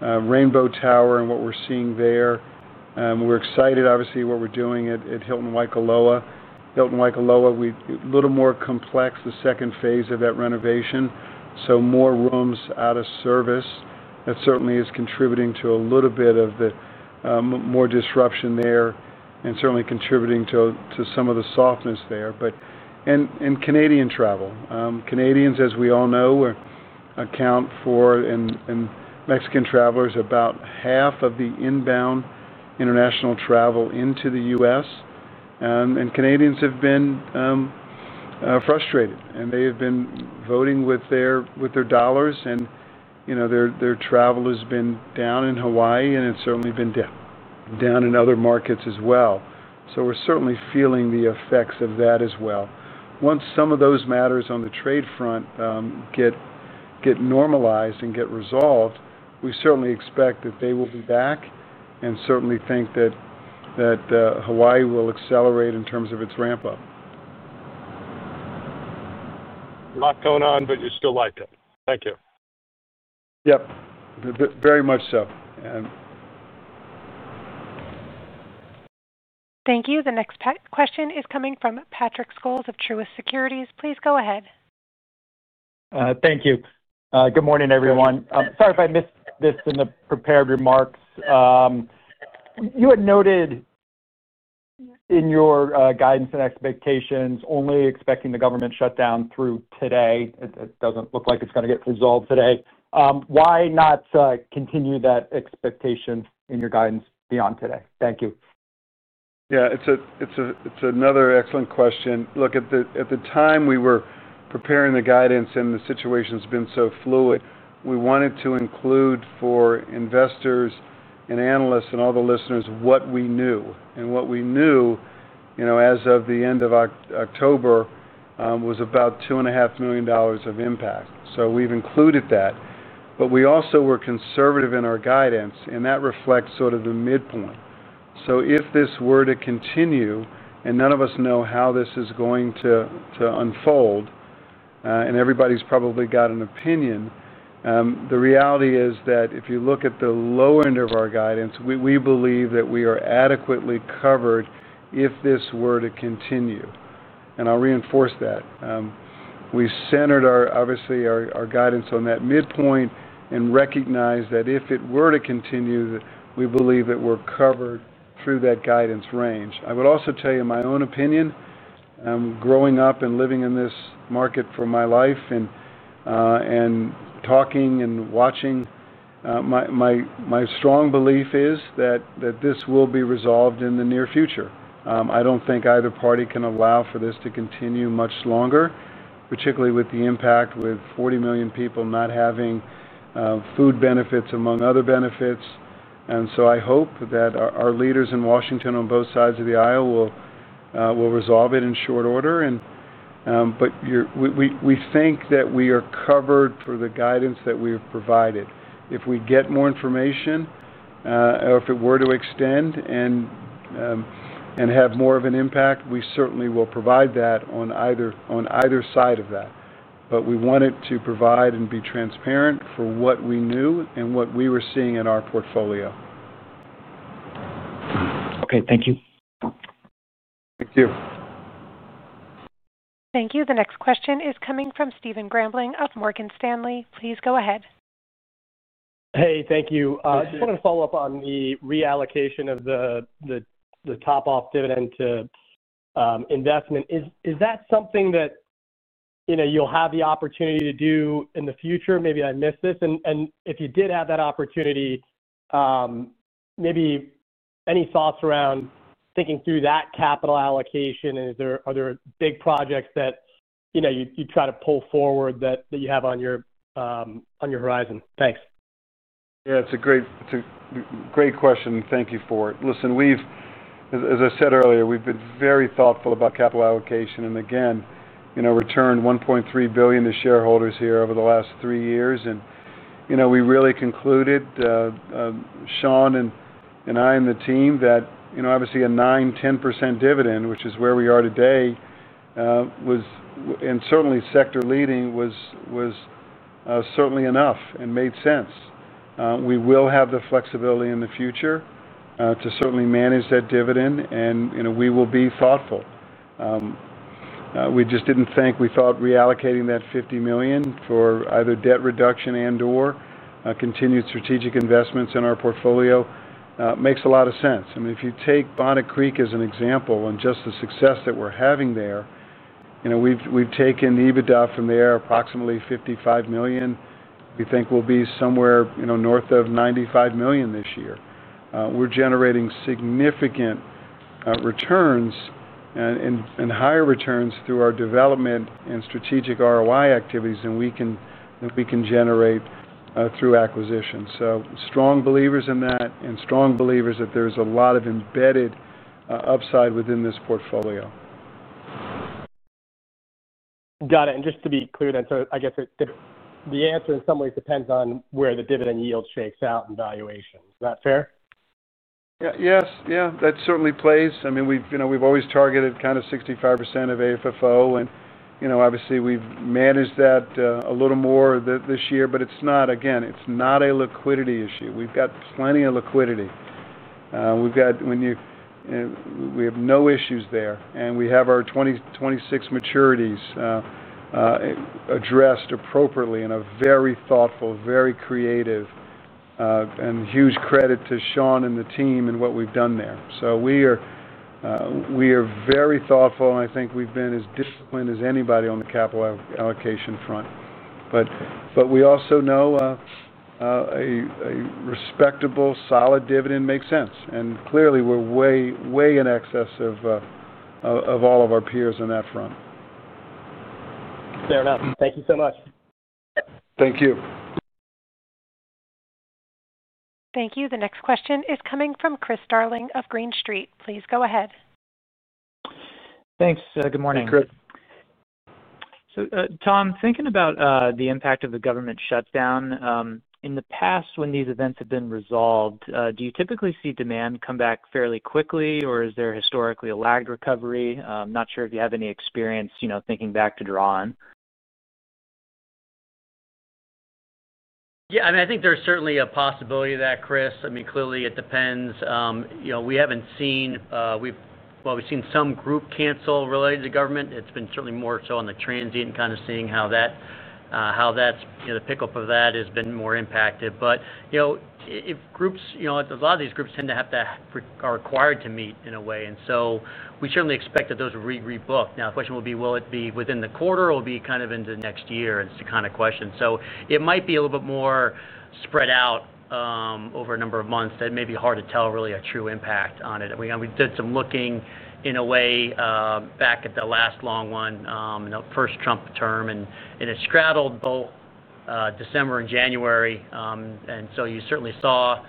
Rainbow Tower and what we're seeing there. We're excited, obviously, about what we're doing at Hilton Waikoloa. Hilton Waikoloa, a little more complex, the second phase of that renovation. More rooms out of service. That certainly is contributing to a little bit more disruption there and certainly contributing to some of the softness there. Canadian travel. Canadians, as we all know, and Mexican travelers, account for about half of the inbound international travel into the U.S. Canadians have been frustrated, and they have been voting with their dollars. Their travel has been down in Hawaii, and it's certainly been down in other markets as well. We're certainly feeling the effects of that as well. Once some of those matters on the trade front get normalized and get resolved, we certainly expect that they will be back and certainly think that Hawaii will accelerate in terms of its ramp-up. Not going on, but you still like it. Thank you. Yep. Very much so. Thank you. The next question is coming from Patrick Scholes of Truist Securities. Please go ahead. Thank you. Good morning, everyone. Sorry if I missed this in the prepared remarks. You had noted in your guidance and expectations, only expecting the government shutdown through today. It doesn't look like it's going to get resolved today. Why not continue that expectation in your guidance beyond today? Thank you. Yeah. It's another excellent question. At the time we were preparing the guidance and the situation's been so fluid, we wanted to include for investors and analysts and all the listeners what we knew. What we knew as of the end of October was about $2.5 million of impact. We've included that. We also were conservative in our guidance, and that reflects the midpoint. If this were to continue and none of us know how this is going to unfold, and everybody's probably got an opinion, the reality is that if you look at the lower end of our guidance, we believe that we are adequately covered if this were to continue. I'll reinforce that. We centered our guidance on that midpoint and recognize that if it were to continue, we believe that we're covered through that guidance range. I would also tell you my own opinion. Growing up and living in this market for my life and talking and watching, my strong belief is that this will be resolved in the near future. I don't think either party can allow for this to continue much longer, particularly with the impact with 40 million people not having food benefits among other benefits. I hope that our leaders in Washington on both sides of the aisle will resolve it in short order. We think that we are covered for the guidance that we've provided. If we get more information or if it were to extend and have more of an impact, we certainly will provide that on either side of that. We wanted to provide and be transparent for what we knew and what we were seeing in our portfolio. Thank you. The next question is coming from Steven Grambling of Morgan Stanley. Please go ahead. Hey, thank you. Just wanted to follow up on the reallocation of the top-off dividend to investment. Is that something that you'll have the opportunity to do in the future? Maybe I missed this. If you did have that opportunity, maybe any thoughts around thinking through that capital allocation? Are there big projects that you try to pull forward that you have on your horizon? Thanks. Yeah. It's a great question. Thank you for it. As I said earlier, we've been very thoughtful about capital allocation. Again, returned $1.3 billion to shareholders here over the last three years. We really concluded, Sean and I and the team, that a 9%-10% dividend, which is where we are today and certainly sector-leading, was certainly enough and made sense. We will have the flexibility in the future to manage that dividend, and we will be thoughtful. We just didn't think reallocating that $50 million for either debt reduction and/or continued strategic investments in our portfolio makes a lot of sense. If you take Bonnet Creek as an example and just the success that we're having there, we've taken the EBITDA from there approximately $55 million. We think we'll be somewhere north of $95 million this year. We're generating significant returns and higher returns through our development and strategic ROI activities than we can generate through acquisitions. Strong believers in that and strong believers that there's a lot of embedded upside within this portfolio. Got it. Just to be clear, then, I guess the answer in some ways depends on where the dividend yield shakes out in valuation. Is that fair? Yes. Yeah. That certainly plays. We've always targeted kind of 65% of AFFO, and obviously, we've managed that a little more this year. Again, it's not a liquidity issue. We've got plenty of liquidity. We have no issues there. We have our 2026 maturities addressed appropriately in a very thoughtful, very creative way, and huge credit to Sean and the team and what we've done there. We are very thoughtful, and I think we've been as disciplined as anybody on the capital allocation front. We also know a respectable, solid dividend makes sense, and clearly, we're way in excess of all of our peers on that front. Fair enough. Thank you so much. Thank you. Thank you. The next question is coming from Chris Darling of Green Street. Please go ahead. Thanks. Good morning. Hey, Chris. Tom, thinking about the impact of the government shutdown, in the past, when these events have been resolved, do you typically see demand come back fairly quickly, or is there historically a lagged recovery? I'm not sure if you have any experience thinking back to draw on. Yeah. I think there's certainly a possibility of that, Chris. Clearly, it depends. We haven't seen—we've seen some group cancel related to government. It's been certainly more so on the transient and kind of seeing how that pickup of that has been more impacted. Groups, a lot of these groups are required to meet in a way, and so we certainly expect that those will rebook. Now, the question will be, will it be within the quarter or will it be kind of into next year? It's the kind of question. It might be a little bit more spread out over a number of months. That may be hard to tell really a true impact on it. We did some looking in a way back at the last long one in the first Trump term, and it straddled both December and January. You certainly saw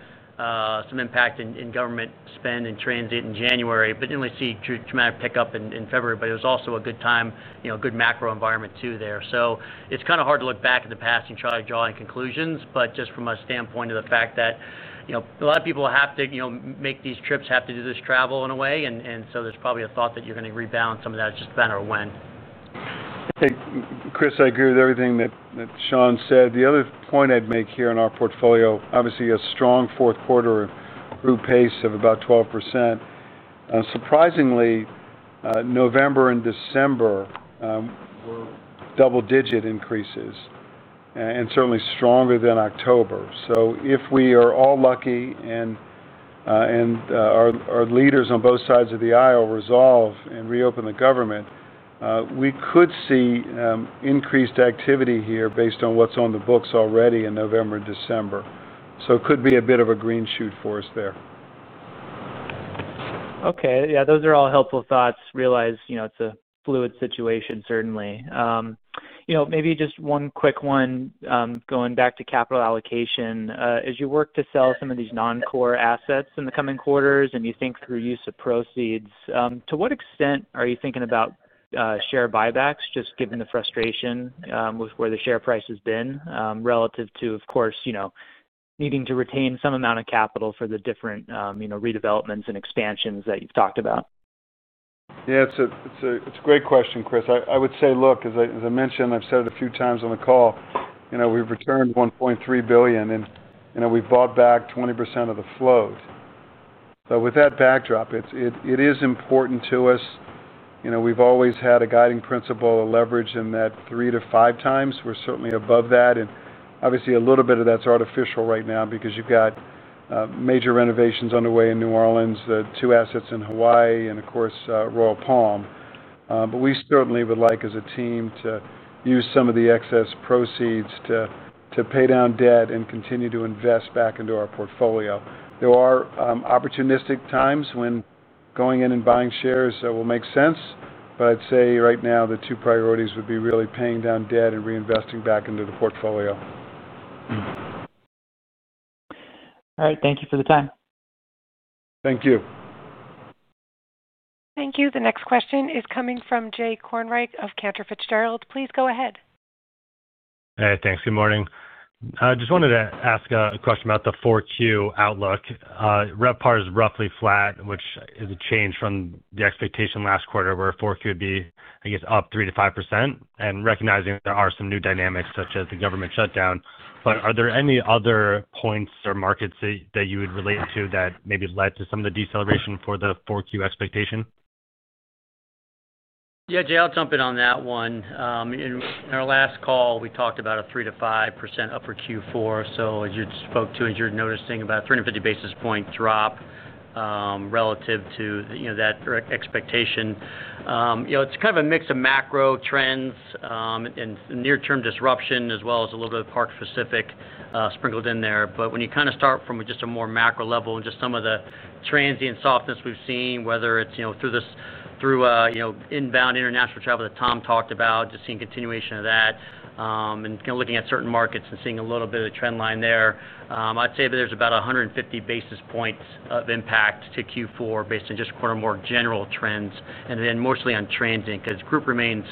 some impact in government spend and transit in January, but didn't really see a dramatic pickup in February. It was also a good time, a good macro environment too there. It's kind of hard to look back in the past and try to draw any conclusions, but just from a standpoint of the fact that. A lot of people have to make these trips, have to do this travel in a way. There's probably a thought that you're going to rebalance some of that. It's just a matter of when. Chris, I agree with everything that Sean said. The other point I'd make here in our portfolio, obviously, a strong fourth quarter group pace of about 12%. Surprisingly, November and December were double-digit increases and certainly stronger than October. If we are all lucky and our leaders on both sides of the aisle resolve and reopen the government, we could see increased activity here based on what's on the books already in November and December. It could be a bit of a green shoot for us there. Okay. Those are all helpful thoughts. Realize it's a fluid situation, certainly. Maybe just one quick one. Going back to capital allocation, as you work to sell some of these non-core assets in the coming quarters and you think through use of proceeds, to what extent are you thinking about share buybacks, just given the frustration with where the share price has been relative to, of course, needing to retain some amount of capital for the different redevelopments and expansions that you've talked about? Yeah. It's a great question, Chris. I would say, look, as I mentioned, I've said it a few times on the call, we've returned $1.3 billion, and we've bought back 20% of the float. With that backdrop, it is important to us. We've always had a guiding principle of leverage in that three to five times. We're certainly above that, and a little bit of that's artificial right now because you've got major renovations underway in New Orleans, two assets in Hawaii, and, of course, Royal Palm. We certainly would like, as a team, to use some of the excess proceeds to pay down debt and continue to invest back into our portfolio. There are opportunistic times when going in and buying shares will make sense. I'd say right now, the two priorities would be really paying down debt and reinvesting back into the portfolio. All right. Thank you for the time. Thank you. Thank you. The next question is coming from Jay Kornreich of Cantor Fitzgerald. Please go ahead. Hey. Thanks. Good morning. I just wanted to ask a question about the 4Q outlook. RevPAR is roughly flat, which is a change from the expectation last quarter where 4Q would be, I guess, up 3%-5%. Recognizing there are some new dynamics such as the government shutdown, are there any other points or markets that you would relate to that maybe led to some of the deceleration for the 4Q expectation? Yeah. Jay, I'll jump in on that one. In our last call, we talked about a 3%-5% upper Q4. As you spoke to, as you're noticing, about a 350 basis point drop relative to that expectation. It's kind of a mix of macro trends and near-term disruption as well as a little bit of the Park Pacific sprinkled in there. When you start from just a more macro level and just some of the transient softness we've seen, whether it's through inbound international travel that Tom talked about, just seeing continuation of that. Looking at certain markets and seeing a little bit of the trend line there, I'd say there's about 150 basis points of impact to Q4 based on just kind of more general trends and then mostly on transient because group remains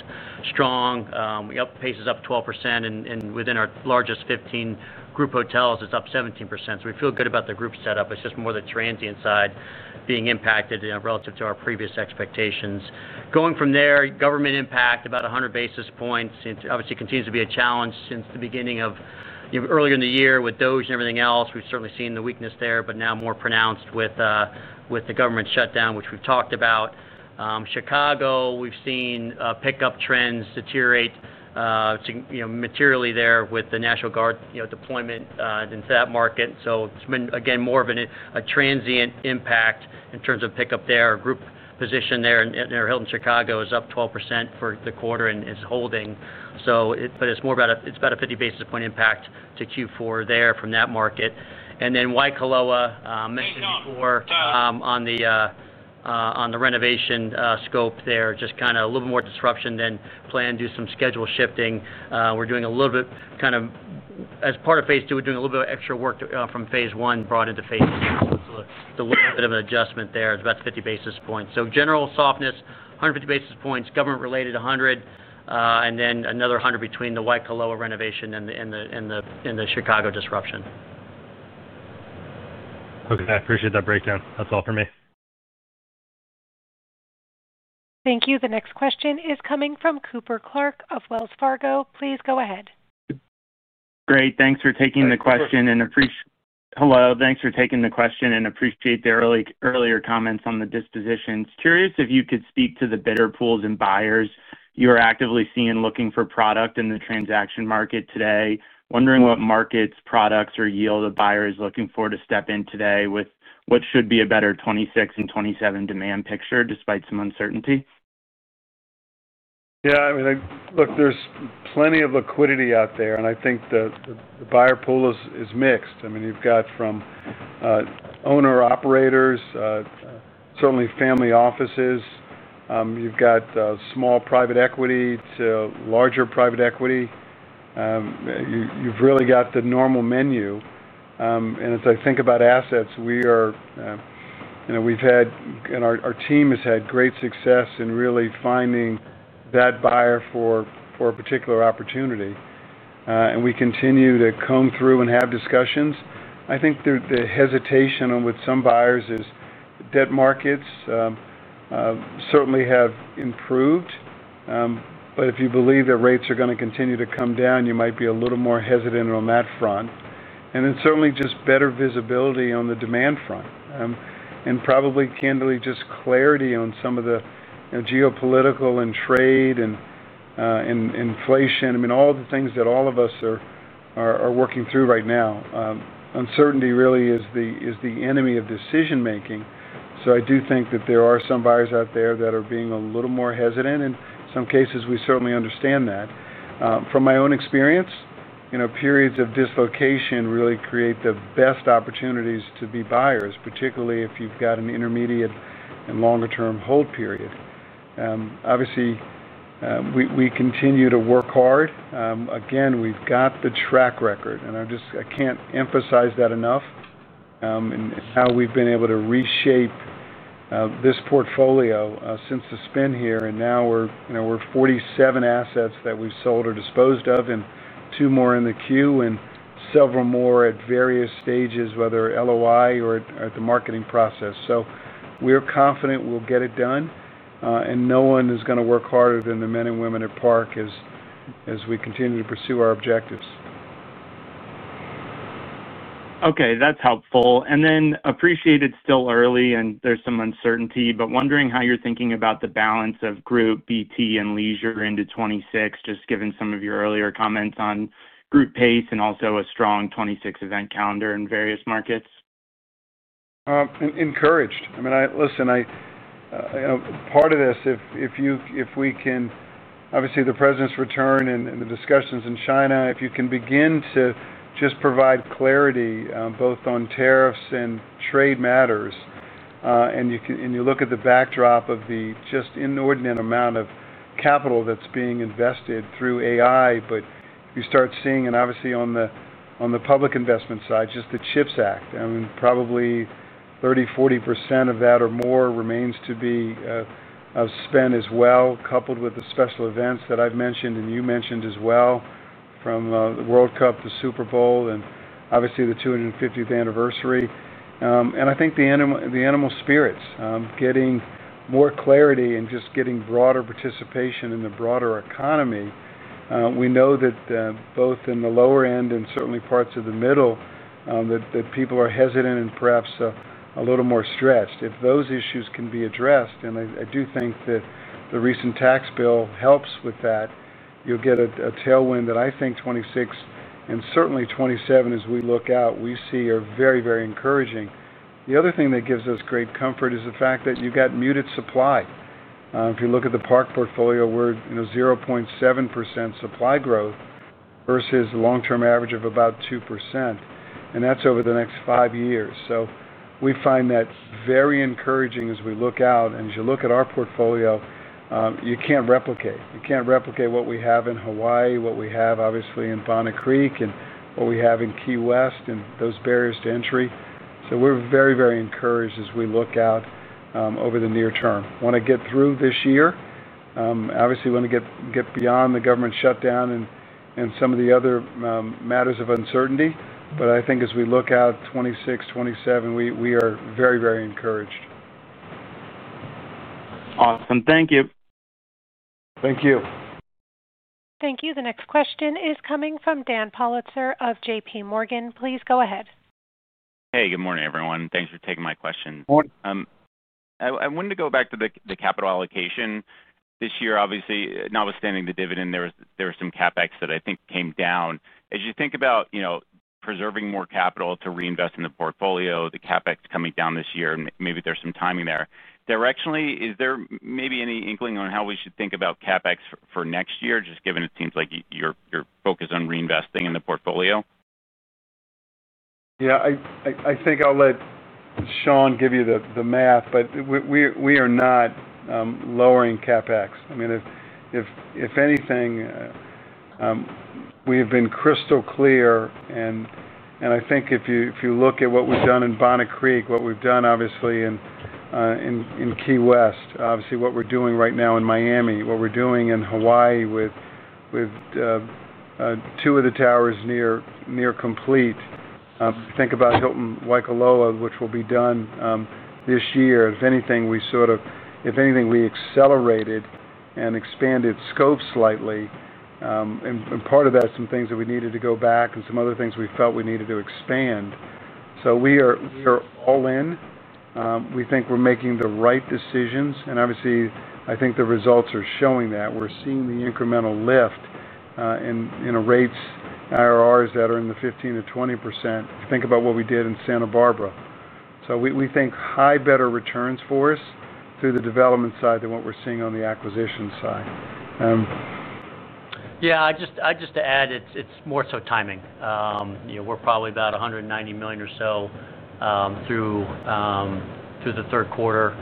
strong. We upped pace is up 12%. Within our largest 15 group hotels, it's up 17%. We feel good about the group setup. It's just more the transient side being impacted relative to our previous expectations. Going from there, government impact about 100 basis points obviously continues to be a challenge since the beginning of earlier in the year with DOGE and everything else, we've certainly seen the weakness there, but now more pronounced with the government shutdown, which we've talked about. Chicago, we've seen pickup trends deteriorate materially there with the National Guard deployment into that market. It's been, again, more of a transient impact in terms of pickup there. Group position there in Hilton, Chicago is up 12% for the quarter and is holding. It's about a 50 basis point impact to Q4 there from that market. Waikoloa, mentioned before, on the renovation scope there, just kind of a little more disruption than planned due to some schedule shifting. We're doing a little bit kind of as part of phase two, we're doing a little bit of extra work from phase one brought into phase two. It's a little bit of an adjustment there. It's about 50 basis points. General softness, 150 basis points, government-related 100, and then another 100 between the Waikoloa renovation and the Chicago disruption. Okay. I appreciate that breakdown. That's all for me. Thank you. The next question is coming from Cooper Clark of Wells Fargo. Please go ahead. Great. Thanks for taking the question. Hello. Thanks for taking the question and appreciate the earlier comments on the dispositions. Curious if you could speak to the bidder pools and buyers you are actively seeing looking for product in the transaction market today. Wondering what markets, products, or yield a buyer is looking for to step in today with what should be a better 2026 and 2027 demand picture despite some uncertainty. Yeah. I mean, look, there's plenty of liquidity out there. I think the buyer pool is mixed. You've got owner-operators, certainly family offices, you've got small private equity to larger private equity. You've really got the normal menu. As I think about assets, we are, we've had, and our team has had great success in really finding that buyer for a particular opportunity. We continue to comb through and have discussions. I think the hesitation with some buyers is debt markets certainly have improved. If you believe that rates are going to continue to come down, you might be a little more hesitant on that front. Certainly just better visibility on the demand front and probably, candidly, just clarity on some of the geopolitical and trade and inflation. I mean, all the things that all of us are working through right now. Uncertainty really is the enemy of decision-making. I do think that there are some buyers out there that are being a little more hesitant. In some cases, we certainly understand that. From my own experience, periods of dislocation really create the best opportunities to be buyers, particularly if you've got an intermediate and longer-term hold period. Obviously, we continue to work hard. Again, we've got the track record. I can't emphasize that enough and how we've been able to reshape this portfolio since the spin here. Now we're 47 assets that we've sold or disposed of and two more in the queue and several more at various stages, whether LOI or at the marketing process. We're confident we'll get it done. No one is going to work harder than the men and women at Park as we continue to pursue our objectives. Okay. That's helpful. Then appreciated it's still early and there's some uncertainty, but wondering how you're thinking about the balance of group, BT, and leisure into 2026, just given some of your earlier comments on group pace and also a strong 2026 event calendar in various markets. Encouraged. I mean, listen. Part of this, if we can obviously, the president's return and the discussions in China, if you can begin to just provide clarity both on tariffs and trade matters. You look at the backdrop of the just inordinate amount of capital that's being invested through AI. You start seeing, and obviously on the public investment side, just the CHIPS Act. I mean, probably 30%, 40% of that or more remains to be of spend as well, coupled with the special events that I've mentioned and you mentioned as well from the World Cup, the Super Bowl, and obviously the 250th anniversary. I think the animal spirits, getting more clarity and just getting broader participation in the broader economy. We know that both in the lower end and certainly parts of the middle, that people are hesitant and perhaps a little more stretched. If those issues can be addressed, and I do think that the recent tax bill helps with that, you'll get a tailwind that I think 2026 and certainly 2027 as we look out, we see are very, very encouraging. The other thing that gives us great comfort is the fact that you've got muted supply. If you look at the Park portfolio, we're 0.7% supply growth versus the long-term average of about 2%. That's over the next five years. We find that very encouraging as we look out. As you look at our portfolio, you can't replicate. You can't replicate what we have in Hawaii, what we have obviously in Bonnet Creek, and what we have in Key West and those barriers to entry. We're very, very encouraged as we look out over the near term. Want to get through this year. Obviously, we want to get beyond the government shutdown and some of the other matters of uncertainty. I think as we look out 2026, 2027, we are very, very encouraged. Awesome. Thank you. Thank you. Thank you. The next question is coming from Dan Politzer of JPMorgan. Please go ahead. Hey. Good morning, everyone. Thanks for taking my question. Morning. I wanted to go back to the capital allocation. This year, obviously, notwithstanding the dividend, there were some CapEx that I think came down. As you think about preserving more capital to reinvest in the portfolio, the CapEx coming down this year, maybe there's some timing there. Directionally, is there maybe any inkling on how we should think about CapEx for next year, just given it seems like you're focused on reinvesting in the portfolio? Yeah. I think I'll let Sean give you the math, but we are not lowering CapEx. I mean, if anything, we have been crystal clear. I think if you look at what we've done in Bonnet Creek, what we've done obviously in Key West, obviously what we're doing right now in Miami, what we're doing in Hawaii with two of the towers near complete. Think about Hilton Hawaiian Village Hotel, which will be done this year. If anything, we sort of, if anything, we accelerated and expanded scope slightly. Part of that is some things that we needed to go back and some other things we felt we needed to expand. We are all in. We think we're making the right decisions. I think the results are showing that. We're seeing the incremental lift in rates, IRRs that are in the 15%-20%. Think about what we did in Santa Barbara. We think high, better returns for us through the development side than what we're seeing on the acquisition side. Yeah. I'd just add it's more so timing. We're probably about $190 million or so through the third quarter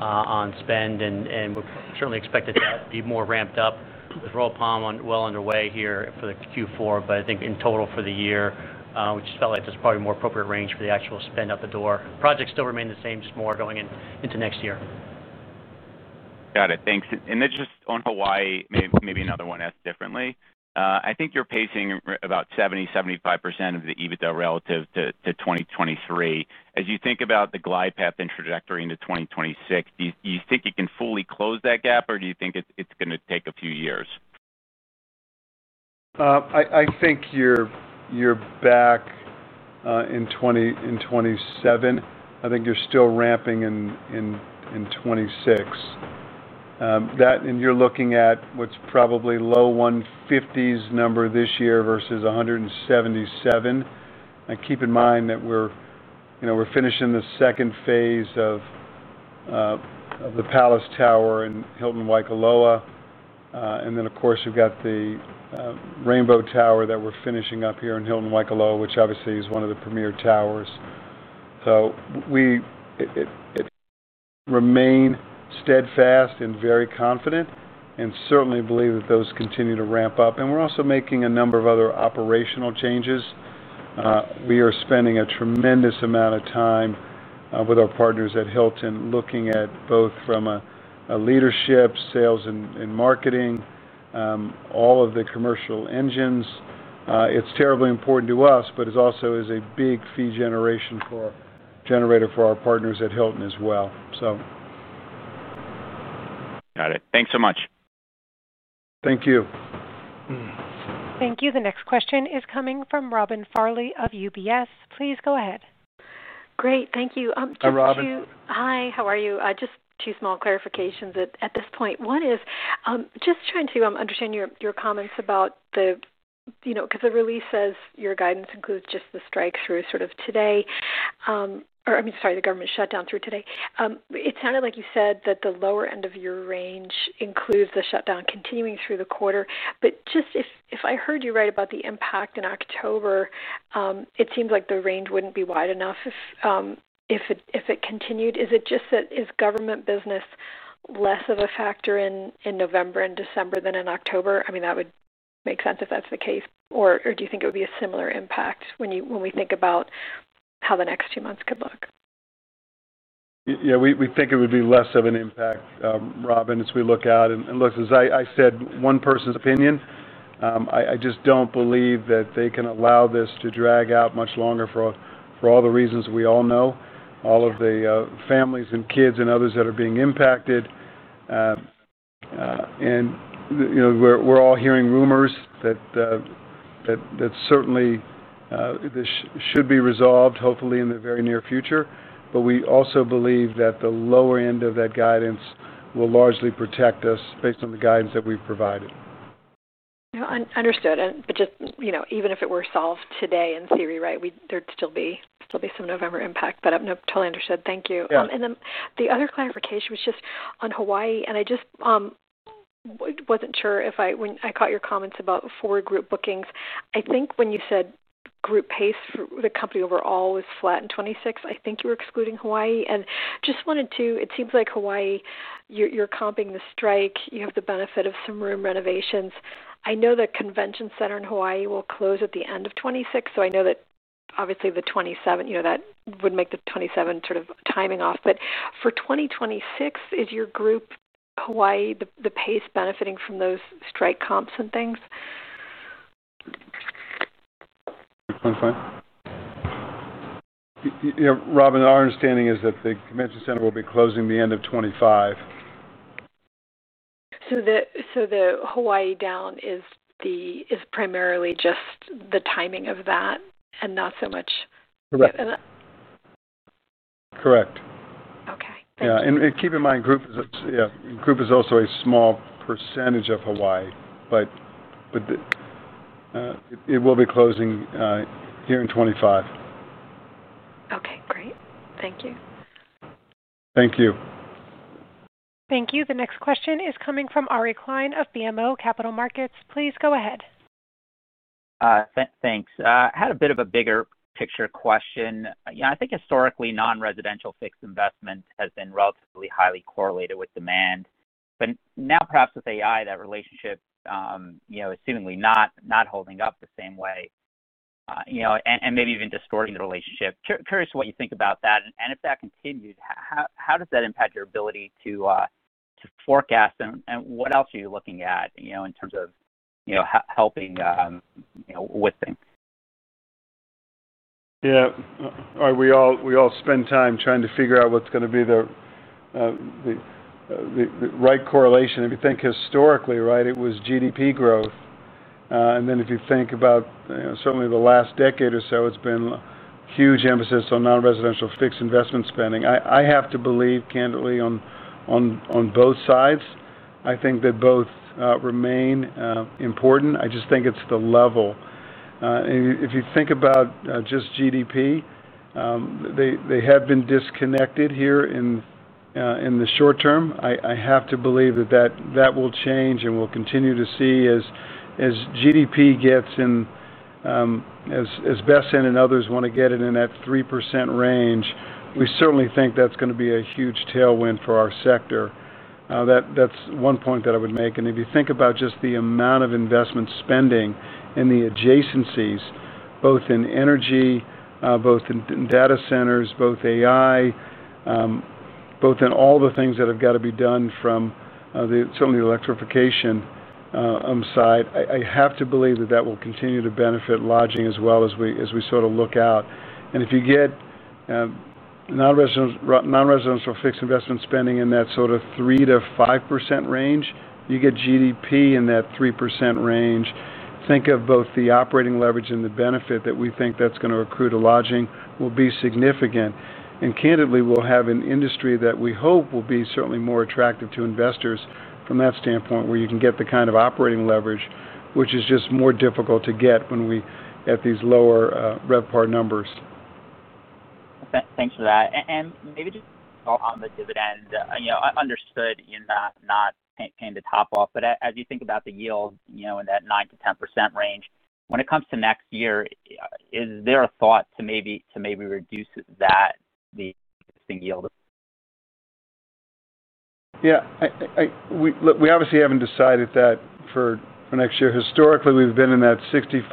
on spend. We certainly expect it to be more ramped up with Royal Palm well underway here for the Q4. I think in total for the year, which felt like just probably more appropriate range for the actual spend out the door. Projects still remain the same, just more going into next year. Got it. Thanks. Then just on Hawaii, maybe another one asked differently. I think you're pacing about 70%-75% of the EBITDA relative to 2023. As you think about the glide path and trajectory into 2026, do you think you can fully close that gap, or do you think it's going to take a few years? I think you're back in 2027. I think you're still ramping in 2026. You're looking at what's probably low $150 million number this year versus $177 million. Keep in mind that we're finishing the second phase of the Palace Tower in Hilton Waikoloa. Then, of course, we've got the Rainbow Tower that we're finishing up here in Hilton Waikiki, which obviously is one of the premier towers. We remain steadfast and very confident and certainly believe that those continue to ramp up. We're also making a number of other operational changes. We are spending a tremendous amount of time with our partners at Hilton looking at both from a leadership, sales and marketing, all of the commercial engines. It's terribly important to us, but it also is a big fee generation for our partners at Hilton as well. Got it. Thanks so much. Thank you. Thank you. The next question is coming from Robin Farley of UBS. Please go ahead. Great. Thank you. Hi, Robin. Hi. How are you? Just two small clarifications at this point. One is just trying to understand your comments about the, because the release says your guidance includes just the strike through sort of today. I mean, sorry, the government shutdown through today. It sounded like you said that the lower end of your range includes the shutdown continuing through the quarter. If I heard you right about the impact in October, it seems like the range wouldn't be wide enough if it continued. Is it just that government business is less of a factor in November and December than in October? That would make sense if that's the case. Do you think it would be a similar impact when we think about how the next two months could look? Yeah, we think it would be less of an impact, Robin, as we look out. As I said, one person's opinion. I just don't believe that they can allow this to drag out much longer for all the reasons we all know, all of the families and kids and others that are being impacted. We're all hearing rumors that this should be resolved, hopefully in the very near future. We also believe that the lower end of that guidance will largely protect us based on the guidance that we've provided. Understood. Even if it were solved today in theory, right, there'd still be some November impact. I've totally understood. Thank you. The other clarification was just on Hawaii. I just wasn't sure if I caught your comments about for group bookings. I think when you said group pace, the company overall was flat in 2026. I think you were excluding Hawaii. It seems like Hawaii, you're comping the strike. You have the benefit of some room renovations. I know that. center in Hawaii will close at the end of 2026. I know that obviously 2027, you know, that would make the 2027 sort of timing off. For 2026, is your group, Hawaii, the pace benefiting from those strike comps and things? '25? Yeah, Robin, our understanding is that the convention center will be closing the end of 2025. Is the Hawaii down primarily just the timing of that and not so much? Correct. And. Correct. Okay, thank you. Yeah, group is also a small percentage of Hawaii, but it will be closing here in 2025. Okay. Great. Thank you. Thank you. Thank you. The next question is coming from Ari Klein of BMO Capital Markets. Please go ahead. Thanks. I had a bit of a bigger picture question. I think historically non-residential fixed investment has been relatively highly correlated with demand, but now perhaps with AI that relationship is seemingly not holding up the same way and maybe even distorting the relationship. Curious what you think about that, and if that continued, how does that impact your ability to forecast, and what else are you looking at in terms of helping with things? Yeah, we all spend time trying to figure out what's going to be the right correlation. If you think historically, it was GDP growth, and then if you think about certainly the last decade or so, it's been huge emphasis on non-residential fixed investment spending. I have to believe candidly on both sides. I think that both remain important. I just think it's the level. If you think about just GDP, they have been disconnected here in the short term. I have to believe that will change and we'll continue to see as GDP gets in, as Bessent and others want to get it in that 3% range, we certainly think that's going to be a huge tailwind for our sector. That's one point that I would make. If you think about just the amount of investment spending in the adjacencies, both in energy, both in data centers, both AI, both in all the things that have got to be done from certainly the electrification side, I have to believe that will continue to benefit lodging as well as we sort of look out. If you get non-residential fixed investment spending in that sort of 3%-5% range, you get GDP in that 3% range. Think of both the operating leverage and the benefit that we think that's going to accrue to lodging will be significant. Candidly, we'll have an industry that we hope will be certainly more attractive to investors from that standpoint where you can get the kind of operating leverage, which is just more difficult to get when we are at these lower RevPAR numbers. Thanks for that. Maybe just on the dividend, you know, I understood you're not paying the top-off, but as you think about the yield, you know, in that 9%-10% range, when it comes to next year, is there a thought to maybe reduce that, the existing yield? Yeah. We obviously haven't decided that for next year. Historically, we've been in that 65%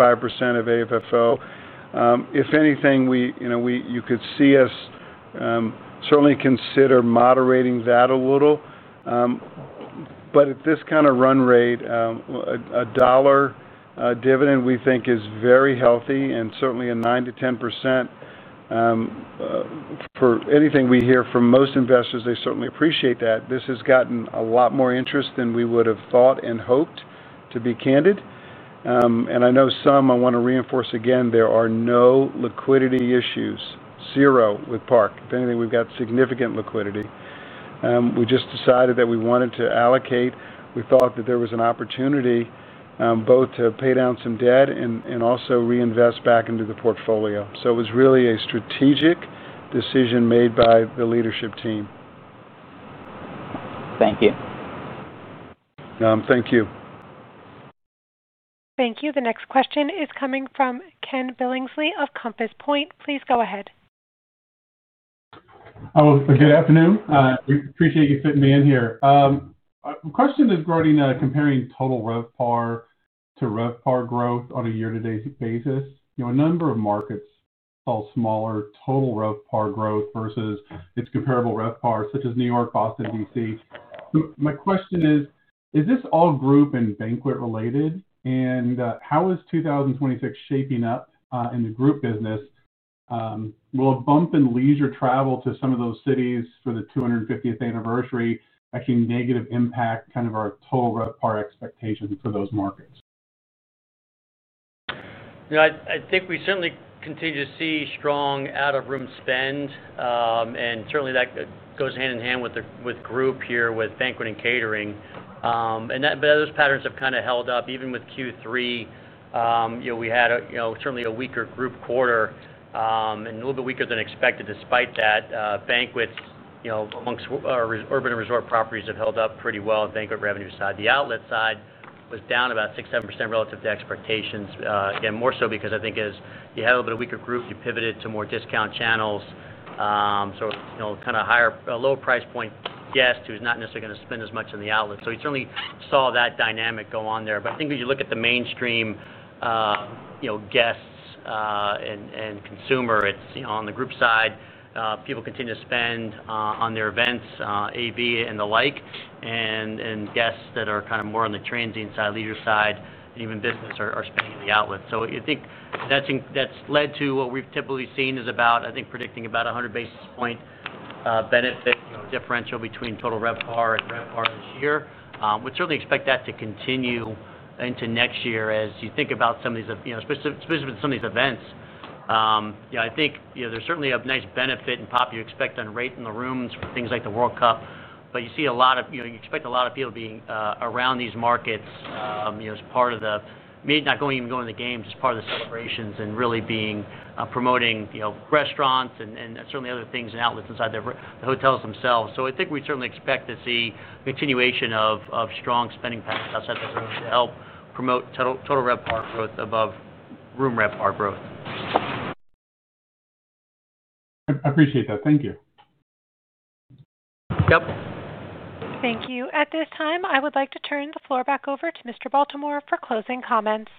of AFFO. If anything, you could see us certainly consider moderating that a little. At this kind of run rate, a $1 dividend we think is very healthy and certainly a 9%-10%. From anything we hear from most investors, they certainly appreciate that. This has gotten a lot more interest than we would have thought and hoped, to be candid. I want to reinforce again, there are no liquidity issues, zero with Park. If anything, we've got significant liquidity. We just decided that we wanted to allocate. We thought that there was an opportunity both to pay down some debt and also reinvest back into the portfolio. It was really a strategic decision made by the leadership team. Thank you. thank you. Thank you. The next question is coming from Ken Billingsley of Compass Point. Please go ahead. Good afternoon. We appreciate you fitting me in here. The question is regarding comparing total RevPAR to RevPAR growth on a year-to-date basis. You know, a number of markets fall smaller total RevPAR growth versus its comparable RevPAR, such as New York, Boston, D.C. My question is, is this all group and banquet related? How is 2026 shaping up in the group business? Will a bump in leisure travel to some of those cities for the 250th anniversary actually negatively impact kind of our total RevPAR expectation for those markets? I think we certainly continue to see strong out-of-room spend, and certainly that goes hand in hand with the group here with banquet and catering. Those patterns have kind of held up even with Q3. We had a weaker group quarter, and a little bit weaker than expected. Despite that, banquets amongst our urban and resort properties have held up pretty well on the banquet revenue side. The outlet side was down about 6%-7% relative to expectations, again, more so because I think as you had a little bit of weaker group, you pivoted to more discount channels. You know, kind of higher, low price point guest who's not necessarily going to spend as much on the outlet. We certainly saw that dynamic go on there. I think when you look at the mainstream guests and consumer, it's on the group side, people continue to spend on their events, AV and the like, and guests that are more on the transient side, leisure side, and even business are spending in the outlet. I think that's led to what we've typically seen is about, I think, predicting about 100 basis point benefit, differential between total RevPAR and RevPAR this year. We certainly expect that to continue into next year as you think about some of these, especially with some of these events. I think there's certainly a nice benefit and pop you expect on rate in the rooms for things like the World Cup, but you see a lot of, you expect a lot of people being around these markets, maybe not even going to the games, as part of the celebrations and really promoting restaurants and certainly other things and outlets inside the hotels themselves. I think we certainly expect to see continuation of strong spending patterns outside the rooms to help promote total RevPAR growth above room RevPAR growth. I appreciate that. Thank you. Yep. Thank you. At this time, I would like to turn the floor back over to Mr. Baltimore for closing comments.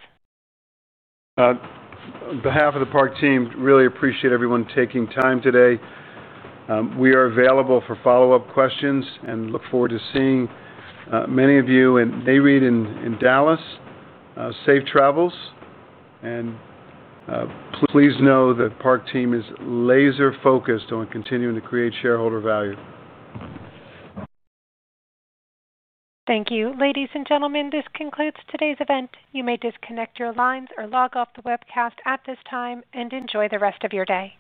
On behalf of the Park team, really appreciate everyone taking time today. We are available for follow-up questions and look forward to seeing many of you in New York and Dallas. Safe travels. Please know the Park team is laser-focused on continuing to create shareholder value. Thank you. Ladies and gentlemen, this concludes today's event. You may disconnect your lines or log off the webcast at this time and enjoy the rest of your day.